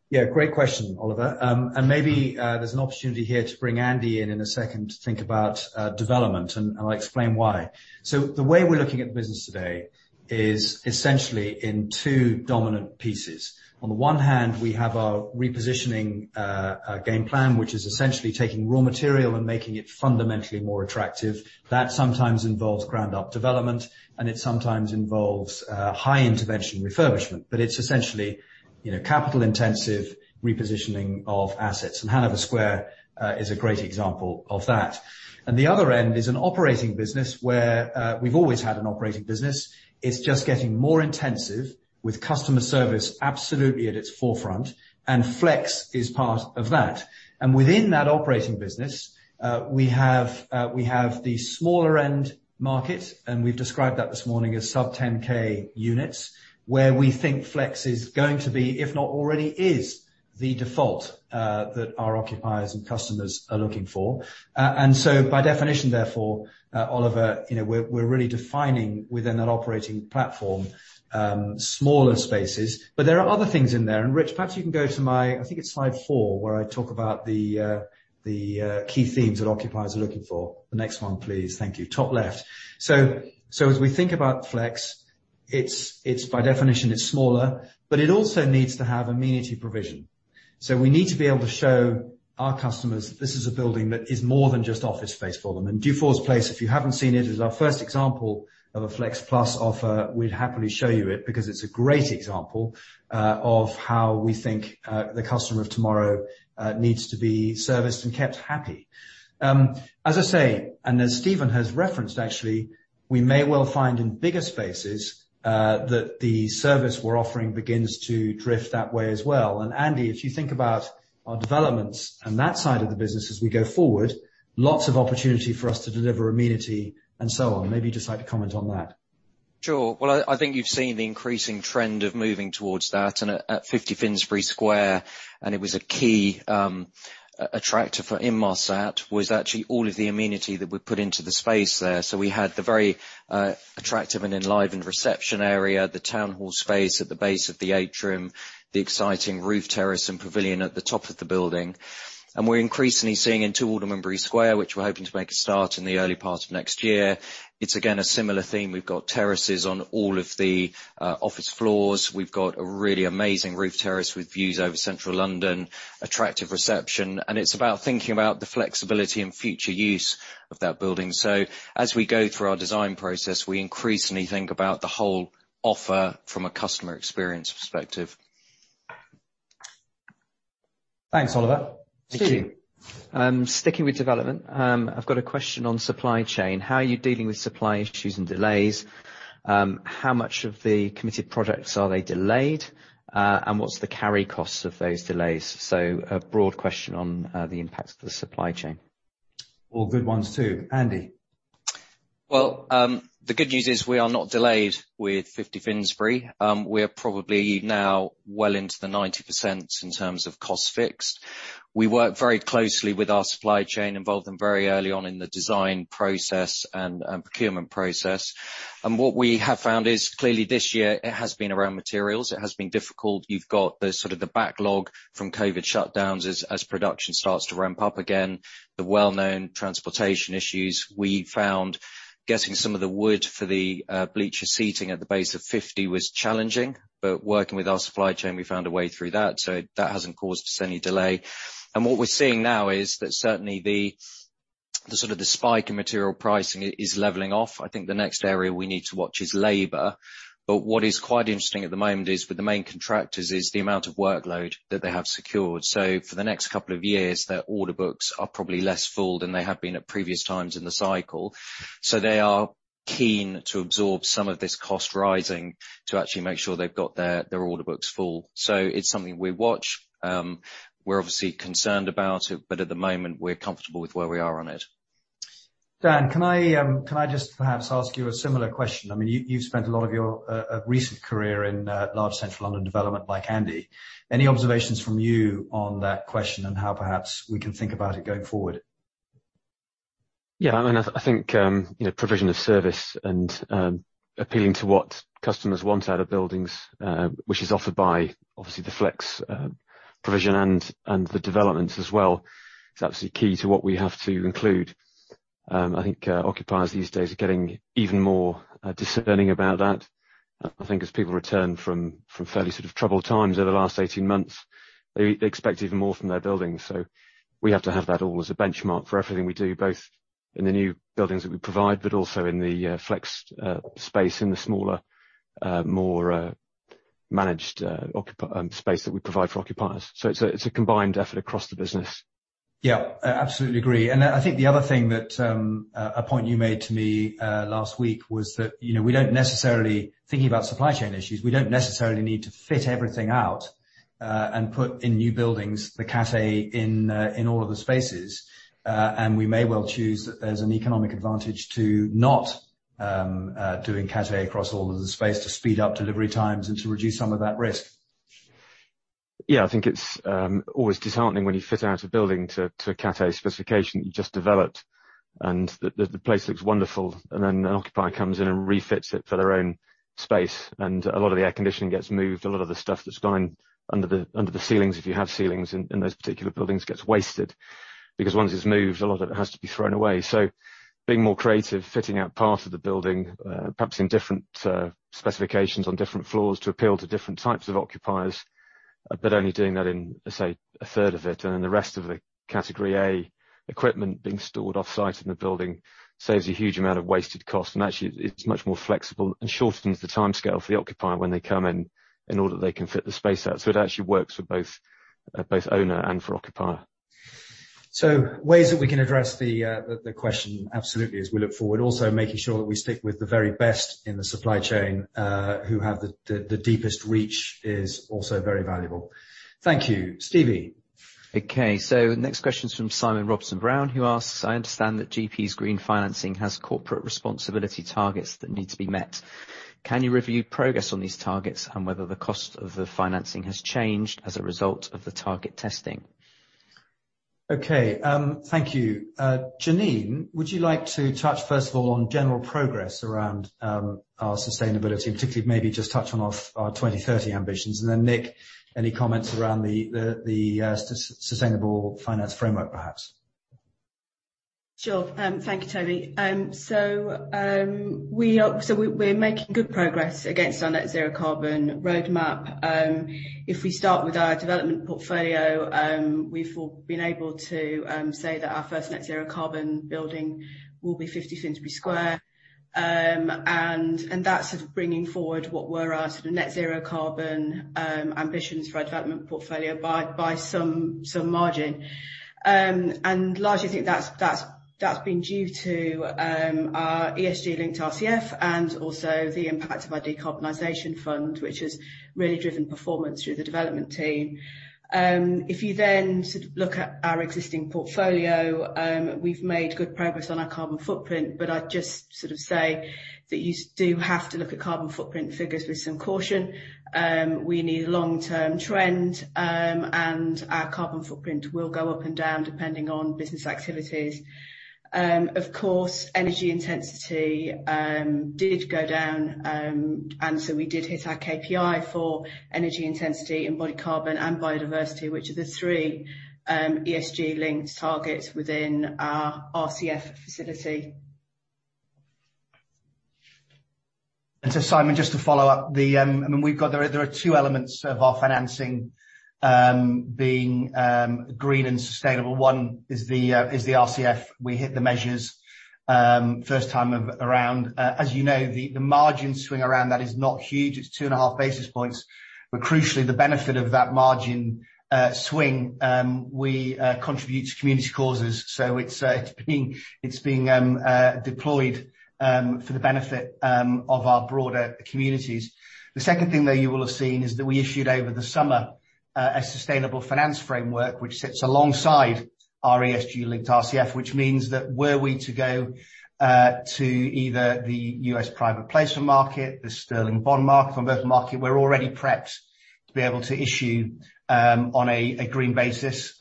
Yeah, great question, Oliver. Maybe there's an opportunity here to bring Andy in in a second to think about development, and I'll explain why. The way we're looking at the business today is essentially in two dominant pieces. On the one hand, we have our repositioning game plan, which is essentially taking raw material and making it fundamentally more attractive. That sometimes involves ground up development, and it sometimes involves high intervention refurbishment, but it's essentially, you know, capital intensive repositioning of assets, and Hanover Square is a great example of that. The other end is an operating business where we've always had an operating business. It's just getting more intensive with customer service absolutely at its forefront, and Flex is part of that. Within that operating business, we have the smaller end market, and we've described that this morning as sub-10,000 units, where we think Flex is going to be, if not already is, the default that our occupiers and customers are looking for. By definition, therefore, Oliver, you know, we're really defining within that operating platform, smaller spaces, but there are other things in there. Rich, perhaps you can go to my, I think it's slide four, where I talk about the key themes that occupiers are looking for. The next one, please. Thank you. Top left. As we think about Flex, it's by definition smaller, but it also needs to have amenity provision. We need to be able to show our customers this is a building that is more than just office space for them. Dufour's Place, if you haven't seen it, is our first example of a Flex+ offer. We'd happily show you it because it's a great example of how we think the customer of tomorrow needs to be serviced and kept happy. As I say, as Stephen has referenced, actually, we may well find in bigger spaces that the service we're offering begins to drift that way as well. Andy, if you think about our developments and that side of the business as we go forward, lots of opportunity for us to deliver amenity and so on. Maybe you'd just like to comment on that. Sure. Well, I think you've seen the increasing trend of moving towards that and at 50 Finsbury Square, and it was a key attractor for Inmarsat, was actually all of the amenity that we put into the space there. We had the very attractive and enlivened reception area, the town hall space at the base of the atrium, the exciting roof terrace and pavilion at the top of the building. We're increasingly seeing in 2 Aldermanbury Square, which we're hoping to make a start in the early part of next year. It's again a similar theme. We've got terraces on all of the office floors. We've got a really amazing roof terrace with views over central London, attractive reception, and it's about thinking about the flexibility and future use of that building. As we go through our design process, we increasingly think about the whole offer from a customer experience perspective. Thanks, Oliver. Thank you. Stevie. Sticking with development, I've got a question on supply chain. How are you dealing with supply issues and delays? How much of the committed products are they delayed? And what's the carry costs of those delays? A broad question on the impact of the supply chain. All good ones, too. Andy. Well, the good news is we are not delayed with 50 Finsbury. We're probably now well into the 90% in terms of cost fixed. We work very closely with our supply chain, involved them very early on in the design process and procurement process. What we have found is clearly this year it has been around materials, it has been difficult. You've got the sort of the backlog from COVID shutdowns as production starts to ramp up again, the well-known transportation issues. We found getting some of the wood for the bleacher seating at the base of 50 was challenging. Working with our supply chain, we found a way through that, so that hasn't caused us any delay. What we're seeing now is that certainly the sort of the spike in material pricing is leveling off. I think the next area we need to watch is labor. What is quite interesting at the moment is with the main contractors is the amount of workload that they have secured. For the next couple of years, their order books are probably less full than they have been at previous times in the cycle. They are keen to absorb some of this cost rising to actually make sure they've got their order books full. It's something we watch. We're obviously concerned about it, but at the moment we're comfortable with where we are on it. Dan, can I just perhaps ask you a similar question? I mean, you've spent a lot of your recent career in large Central London development like Andy. Any observations from you on that question and how perhaps we can think about it going forward? Yeah. I mean, I think, you know, provision of service and, appealing to what customers want out of buildings, which is offered by obviously the Flex provision and the developments as well, is absolutely key to what we have to include. I think, occupiers these days are getting even more, discerning about that. I think as people return from fairly sort of troubled times over the last 18 months, they expect even more from their buildings. We have to have that all as a benchmark for everything we do, both in the new buildings that we provide, but also in the Flex space, in the smaller, more managed space that we provide for occupiers. It's a combined effort across the business. Yeah. I absolutely agree. I think the other thing that a point you made to me last week was that, you know, Thinking about supply chain issues, we don't necessarily need to fit everything out and put in new buildings, the Cat A in all of the spaces. We may well choose there's an economic advantage to not doing Cat A across all of the space to speed up delivery times and to reduce some of that risk. Yeah. I think it's always disheartening when you fit out a building to a Cat A specification you just developed, and the place looks wonderful and then an occupier comes in and refits it for their own space, and a lot of the air-conditioning gets moved, a lot of the stuff that's gone under the ceilings, if you have ceilings in those particular buildings, gets wasted because once it's moved, a lot of it has to be thrown away. Being more creative, fitting out part of the building, perhaps in different specifications on different floors to appeal to different types of occupiers, but only doing that in, say, a third of it and then the rest of the Cat A equipment being stored offsite in the building saves a huge amount of wasted cost. Actually it's much more flexible and shortens the timescale for the occupier when they come in order they can fit the space out. It actually works for both owner and for occupier. Ways that we can address the question absolutely as we look forward. Also, making sure that we stick with the very best in the supply chain, who have the deepest reach is also very valuable. Thank you. Stevie. Okay. Next question is from Simon Robson-Brown, who asks, "I understand that GPE's green financing has corporate responsibility targets that need to be met. Can you review progress on these targets and whether the cost of the financing has changed as a result of the target testing?" Okay. Thank you. Janine, would you like to touch first of all on general progress around our sustainability, particularly maybe just touch on our 2030 ambitions? Nick, any comments around the sustainable finance framework, perhaps? Sure. Thank you, Toby. We're making good progress against our net zero carbon roadmap. If we start with our development portfolio, we've all been able to say that our first net zero carbon building will be 50 Finsbury Square. That's sort of bringing forward what were our sort of net zero carbon ambitions for our development portfolio by some margin. Largely I think that's been due to our ESG-linked RCF and also the impact of our Decarbonization Fund, which has really driven performance through the development team. If you then sort of look at our existing portfolio, we've made good progress on our carbon footprint, but I'd just sort of say that you do have to look at carbon footprint figures with some caution. We need a long-term trend, and our carbon footprint will go up and down depending on business activities. Of course, energy intensity did go down, and so we did hit our KPI for energy intensity, embodied carbon and biodiversity, which are the three ESG-linked targets within our RCF facility. Simon, there are two elements of our financing being green and sustainable. One is the RCF. We hit the measures first time around. As you know, the margin swing around that is not huge. It's 2.5 basis points. But crucially, the benefit of that margin swing we contribute to community causes. So it's being deployed for the benefit of our broader communities. The second thing that you will have seen is that we issued over the summer. A Sustainable Finance Framework which sits alongside our ESG-linked RCF, which means that were we to go to either the U.S. private placement market, the sterling bond market, or from both markets, we're already prepped to be able to issue on a green basis.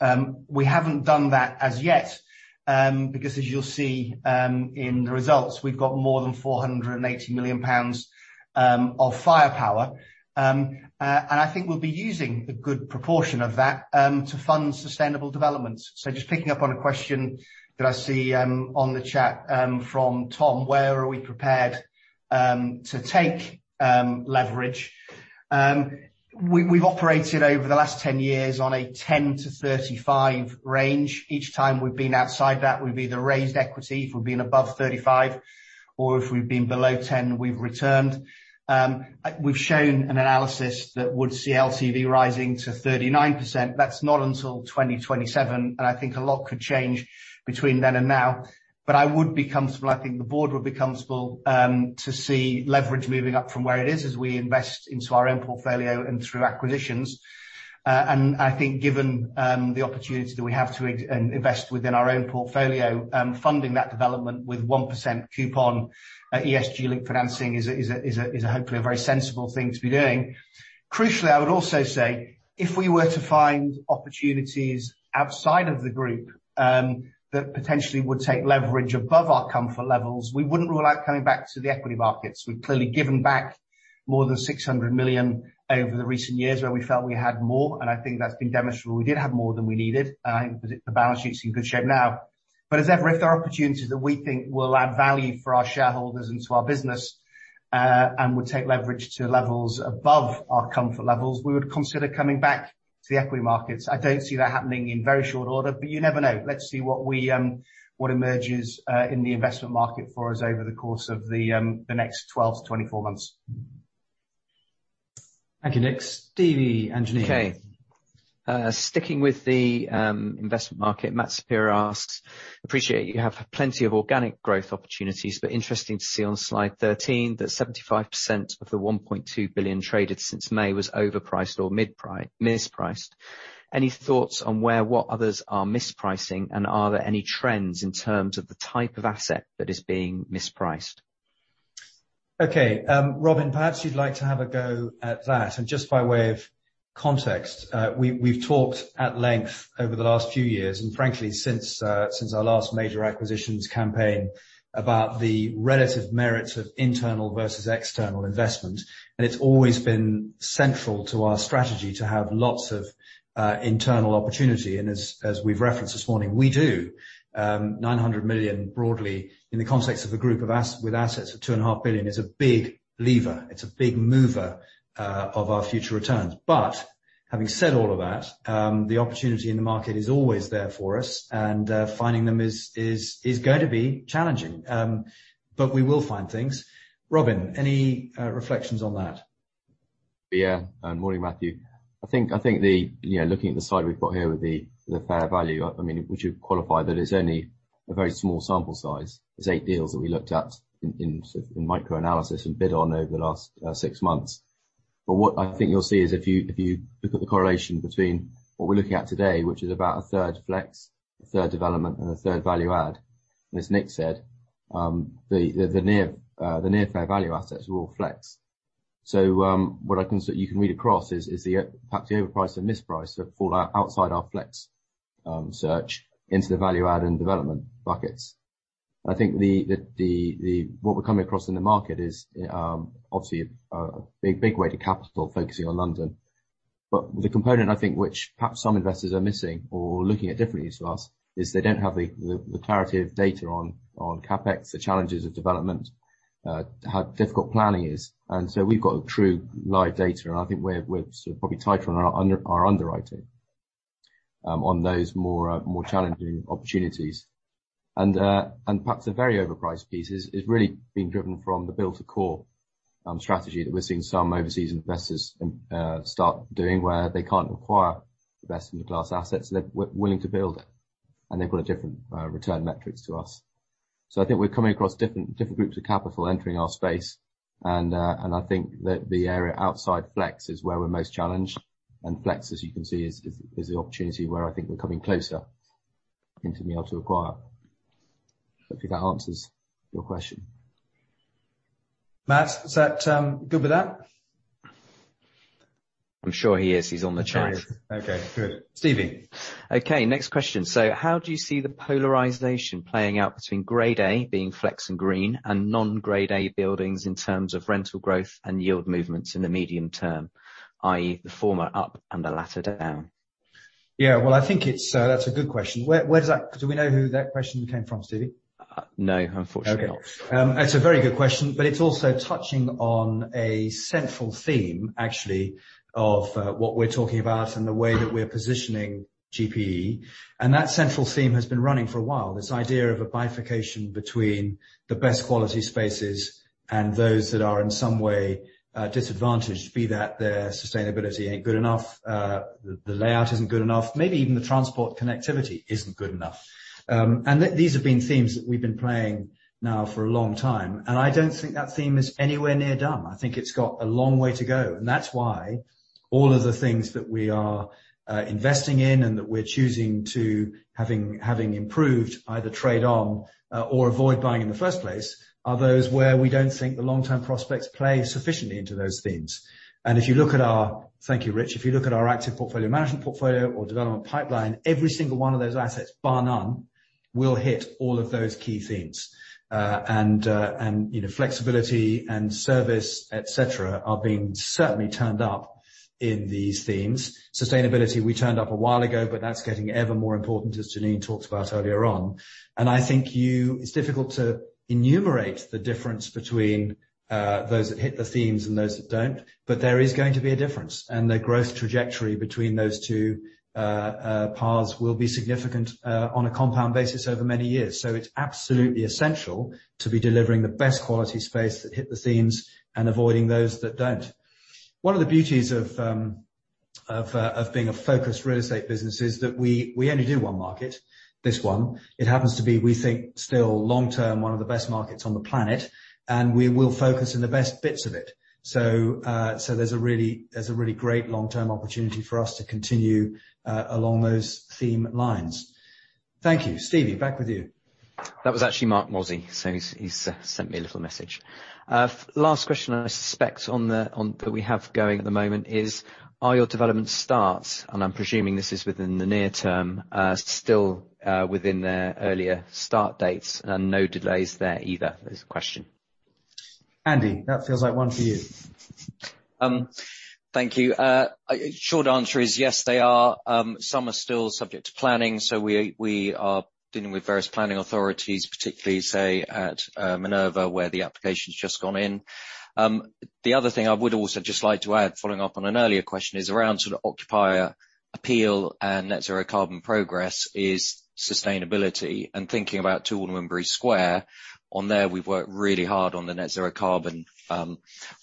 We haven't done that as yet because as you'll see in the results, we've got more than 480 million pounds of firepower. I think we'll be using a good proportion of that to fund sustainable developments. Just picking up on a question that I see on the chat from Tom, where are we prepared to take leverage? We've operated over the last 10 years on a 10%-35% range. Each time we've been outside that, we've either raised equity if we've been above 35%, or if we've been below 10%, we've returned. We've shown an analysis that would see LTV rising to 39%. That's not until 2027, and I think a lot could change between then and now. I would be comfortable, I think the board would be comfortable, to see leverage moving up from where it is as we invest into our own portfolio and through acquisitions. I think given the opportunity that we have to invest within our own portfolio, funding that development with 1% coupon, ESG link financing is hopefully a very sensible thing to be doing. Crucially, I would also say, if we were to find opportunities outside of the group, that potentially would take leverage above our comfort levels, we wouldn't rule out coming back to the equity markets. We've clearly given back more than 600 million over the recent years where we felt we had more, and I think that's been demonstrable. We did have more than we needed, and I think the balance sheet's in good shape now. As ever, if there are opportunities that we think will add value for our shareholders into our business, and would take leverage to levels above our comfort levels, we would consider coming back to the equity markets. I don't see that happening in very short order, but you never know. Let's see what emerges in the investment market for us over the course of the next 12-24 months. Thank you, Nick. Stevie, engineer. Okay. Sticking with the investment market, Matt Saperia asks, appreciate you have plenty of organic growth opportunities, but interesting to see on slide 13 that 75% of the 1.2 billion traded since May was overpriced or mispriced. Any thoughts on where, what others are mispricing, and are there any trends in terms of the type of asset that is being mispriced? Okay. Robin, perhaps you'd like to have a go at that. Just by way of context, we've talked at length over the last few years, and frankly, since our last major acquisitions campaign about the relative merits of internal versus external investment, and it's always been central to our strategy to have lots of internal opportunity. As we've referenced this morning, we do 900 million broadly in the context of a group with assets of 2.5 billion, is a big lever. It's a big mover of our future returns. Having said all of that, the opportunity in the market is always there for us and, finding them is gonna be challenging. We will find things. Robin, any reflections on that? Yeah. Morning, Matthew. I think you know looking at the slide we've got here with the fair value, I mean, would you qualify that it's only a very small sample size. There's eight deals that we looked at in sort of micro-analysis and bid on over the last six months. What I think you'll see is if you look at the correlation between what we're looking at today, which is about a third Flex, a third development and a third value add, and as Nick said, the near fair value assets are all Flex. What you can read across is perhaps the overpriced and mispriced have fallen outside our Flex search into the value add and development buckets. I think what we're coming across in the market is obviously a big weight of capital focusing on London. The component I think which perhaps some investors are missing or looking at differently to us is they don't have the clarity of data on CapEx, the challenges of development, how difficult planning is. We've got a true live data, and I think we're sort of probably tighter on our underwriting on those more challenging opportunities. Perhaps a very overpriced piece is really being driven from the build-to-core strategy that we're seeing some overseas investors start doing where they can't acquire the best in the class assets, so they're willing to build, and they've got a different return metrics to us. I think we're coming across different groups of capital entering our space, and I think that the area outside Flex is where we're most challenged. Flex, as you can see, is the opportunity where I think we're coming closer into being able to acquire. Hopefully that answers your question. Matt, is that good with that? I'm sure he is. He's on the chat. Okay, good. Stephen. Okay, next question. How do you see the polarization playing out between Grade A, being Flex and green, and non-Grade A buildings in terms of rental growth and yield movements in the medium term, i.e., the former up and the latter down? Yeah. Well, I think it's, that's a good question. Do we know who that question came from, Stevie? No, unfortunately not. Okay. It's a very good question, but it's also touching on a central theme, actually, of what we're talking about and the way that we're positioning GPE. That central theme has been running for a while, this idea of a bifurcation between the best quality spaces and those that are in some way disadvantaged, be that their sustainability ain't good enough, the layout isn't good enough, maybe even the transport connectivity isn't good enough. These have been themes that we've been playing now for a long time, and I don't think that theme is anywhere near done. I think it's got a long way to go. That's why all of the things that we are investing in and that we're choosing to having improved either trade on or avoid buying in the first place are those where we don't think the long-term prospects play sufficiently into those themes. Thank you, Rich. If you look at our active portfolio, management portfolio or development pipeline, every single one of those assets, bar none, will hit all of those key themes. You know, flexibility and service, et cetera, are being certainly turned up in these themes. Sustainability, we turned up a while ago, but that's getting ever more important, as Janine talked about earlier on. I think it's difficult to enumerate the difference between those that hit the themes and those that don't, but there is going to be a difference. The growth trajectory between those two paths will be significant on a compound basis over many years. It's absolutely essential to be delivering the best quality space that hit the themes and avoiding those that don't. One of the beauties of being a focused real estate business is that we only do one market, this one. It happens to be, we think, still long term, one of the best markets on the planet, and we will focus on the best bits of it. There's a really great long-term opportunity for us to continue along those theme lines. Thank you. Stevie, back with you. That was actually Marc Mozzi. He's sent me a little message. Last question I suspect on the one that we have going at the moment is, are your development starts, and I'm presuming this is within the near term, still within their earlier start dates and no delays there either? Is the question. Andy, that feels like one for you. Thank you. Short answer is yes, they are. Some are still subject to planning, so we are dealing with various planning authorities, particularly, say, at Minerva, where the application's just gone in. The other thing I would also just like to add, following up on an earlier question, is around sort of occupier appeal and net zero carbon progress is sustainability. Thinking about Aldermanbury Square, on there, we've worked really hard on the net zero carbon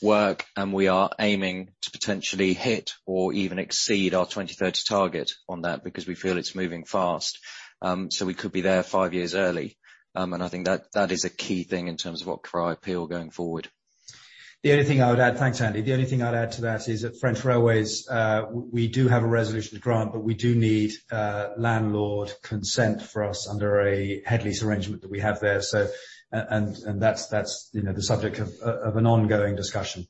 work, and we are aiming to potentially hit or even exceed our 2030 target on that because we feel it's moving fast. We could be there five years early. I think that is a key thing in terms of occupier appeal going forward. The only thing I would add. Thanks, Andy. The only thing I'd add to that is at French Railways, we do have a resolution to grant, but we do need landlord consent for us under a head lease arrangement that we have there. And that's, you know, the subject of an ongoing discussion.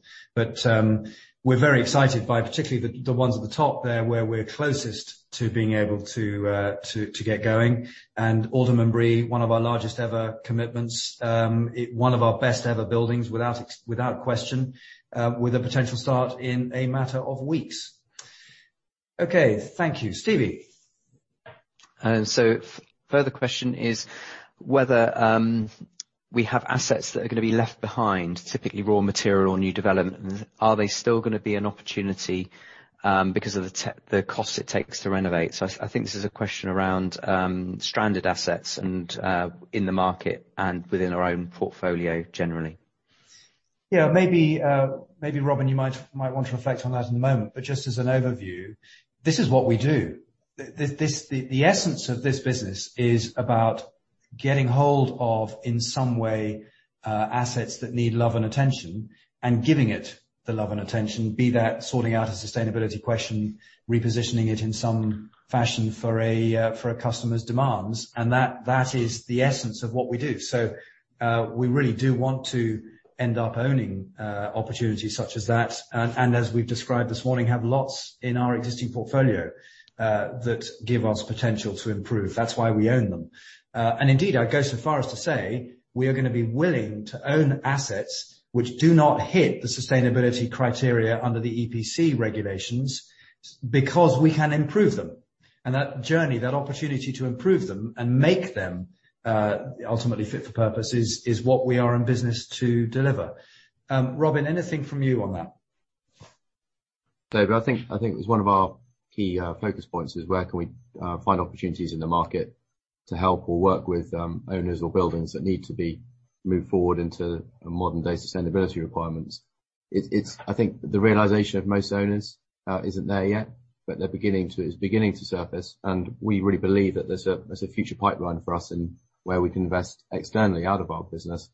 We're very excited by particularly the ones at the top there, where we're closest to being able to get going. Aldermanbury, one of our largest ever commitments, one of our best ever buildings without question, with a potential start in a matter of weeks. Okay. Thank you. Stevie. Further question is whether we have assets that are gonna be left behind, typically raw material or new developments. Are they still gonna be an opportunity because of the cost it takes to renovate? I think this is a question around stranded assets and in the market and within our own portfolio generally. Yeah. Maybe Robin, you might want to reflect on that in a moment. Just as an overview, this is what we do. This essence of this business is about getting hold of, in some way, assets that need love and attention and giving it the love and attention. Be that sorting out a sustainability question, repositioning it in some fashion for a customer's demands, and that is the essence of what we do. We really do want to end up owning opportunities such as that, and as we've described this morning, have lots in our existing portfolio that give us potential to improve. That's why we own them. Indeed, I'd go so far as to say we are gonna be willing to own assets which do not hit the sustainability criteria under the EPC regulations because we can improve them. That journey, that opportunity to improve them and make them ultimately fit for purpose is what we are in business to deliver. Robin, anything from you on that? David, I think it's one of our key focus points, is where can we find opportunities in the market to help or work with owners or buildings that need to be moved forward into a modern-day sustainability requirements. It's the realization of most owners isn't there yet, but they're beginning to, it's beginning to surface, and we really believe that there's a future pipeline for us, and where we can invest externally out of our business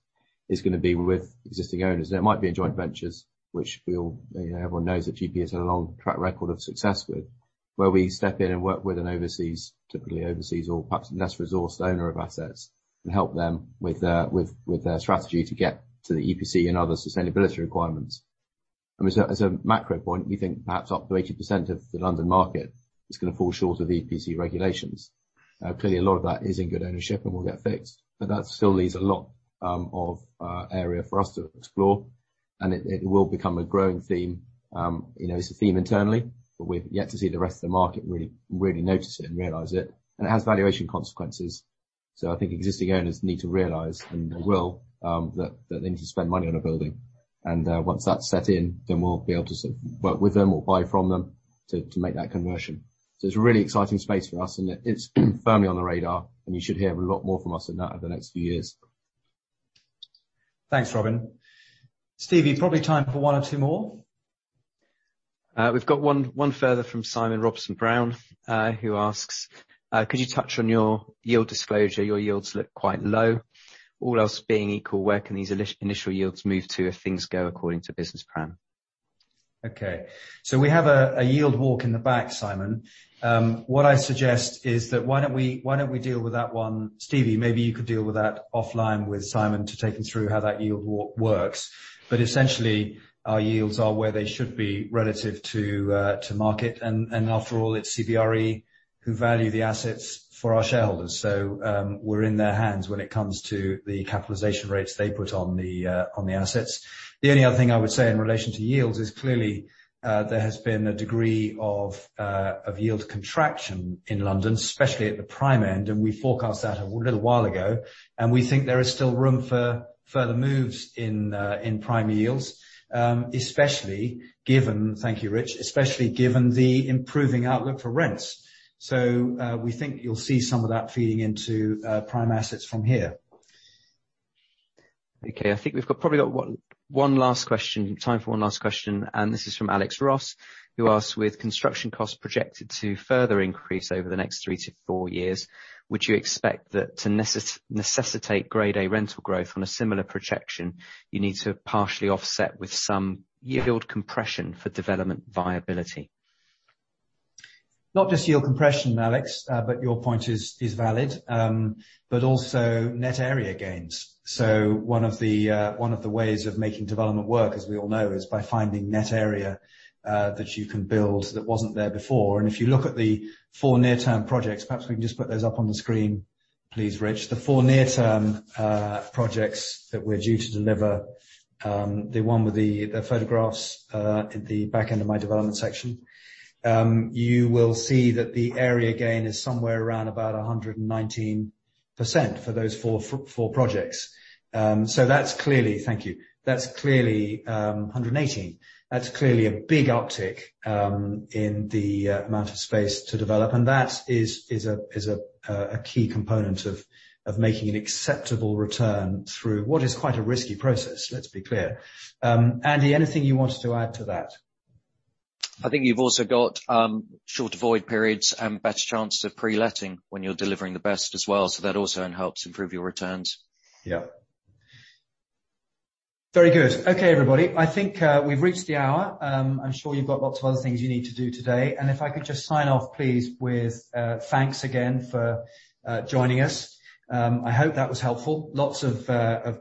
is gonna be with existing owners. Now, it might be in joint ventures, which we all, you know, everyone knows that GPE has a long track record of success with, where we step in and work with an overseas, typically overseas or perhaps less resourced owner of assets and help them with their strategy to get to the EPC and other sustainability requirements. As a macro point, we think perhaps up to 80% of the London market is gonna fall short of EPC regulations. Clearly a lot of that is in good ownership and will get fixed, but that still leaves a lot of area for us to explore. It will become a growing theme. You know, it's a theme internally, but we've yet to see the rest of the market really notice it and realize it. It has valuation consequences. I think existing owners need to realize, and they will, that they need to spend money on a building. Once that's set in, then we'll be able to sort of work with them or buy from them to make that conversion. It's a really exciting space for us, and it's firmly on the radar, and you should hear a lot more from us in that over the next few years. Thanks, Robin. Stevie, probably time for one or two more. We've got one further from Simon Robson-Brown, who asks, "Could you touch on your yield disclosure? Your yields look quite low. All else being equal, where can these initial yields move to if things go according to business plan?" Okay, we have a yield talk in the back, Simon. What I suggest is that why don't we deal with that one. Stevie, maybe you could deal with that offline with Simon to take him through how that yield talk works. Essentially, our yields are where they should be relative to market and after all, it's CBRE who value the assets for our shareholders. We're in their hands when it comes to the capitalization rates they put on the assets. The only other thing I would say in relation to yields is clearly, there has been a degree of yield contraction in London, especially at the Prime end, and we forecast that a little while ago, and we think there is still room for further moves in Prime yields, especially given, thank you, Rich, especially given the improving outlook for rents. So, we think you'll see some of that feeding into Prime assets from here. Okay, I think we've probably got one last question, time for one last question, and this is from Alex Ross, who asks, "With construction costs projected to further increase over the next 3-4 years, would you expect that to necessitate Grade A rental growth on a similar projection, you need to partially offset with some yield compression for development viability?" Not just yield compression, Alex, but your point is valid, but also net area gains. One of the ways of making development work, as we all know, is by finding net area that you can build that wasn't there before. If you look at the four near-term projects, perhaps we can just put those up on the screen, please, Rich. The four near-term projects that we're due to deliver, the one with the photographs at the back end of my development section, you will see that the area gain is somewhere around about 119% for those four projects. That's clearly, thank you. That's clearly 118%. That's clearly a big uptick in the amount of space to develop, and that is a key component of making an acceptable return through what is quite a risky process, let's be clear. Andy, anything you wanted to add to that? I think you've also got shorter void periods and better chances of pre-letting when you're delivering the best as well, so that also then helps improve your returns. Yeah. Very good. Okay, everybody. I think we've reached the hour. I'm sure you've got lots of other things you need to do today. If I could just sign off, please, with thanks again for joining us. I hope that was helpful. Lots of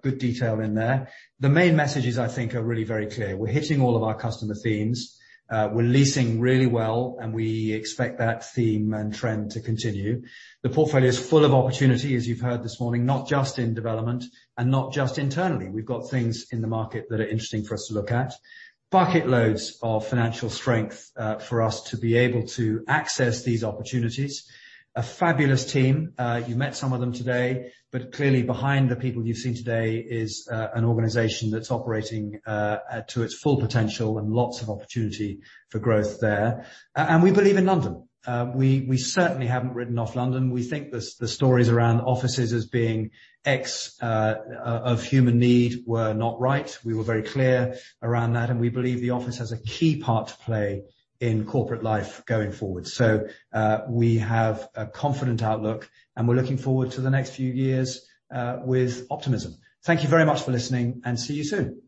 good detail in there. The main messages, I think, are really very clear. We're hitting all of our customer themes. We're leasing really well, and we expect that theme and trend to continue. The portfolio is full of opportunity, as you've heard this morning, not just in development and not just internally. We've got things in the market that are interesting for us to look at. Bucket loads of financial strength for us to be able to access these opportunities. A fabulous team. You met some of them today, but clearly behind the people you've seen today is an organization that's operating at its full potential and lots of opportunity for growth there. We believe in London. We certainly haven't written off London. We think the stories around offices as being out of human need were not right. We were very clear around that, and we believe the office has a key part to play in corporate life going forward. We have a confident outlook, and we're looking forward to the next few years with optimism. Thank you very much for listening, and see you soon.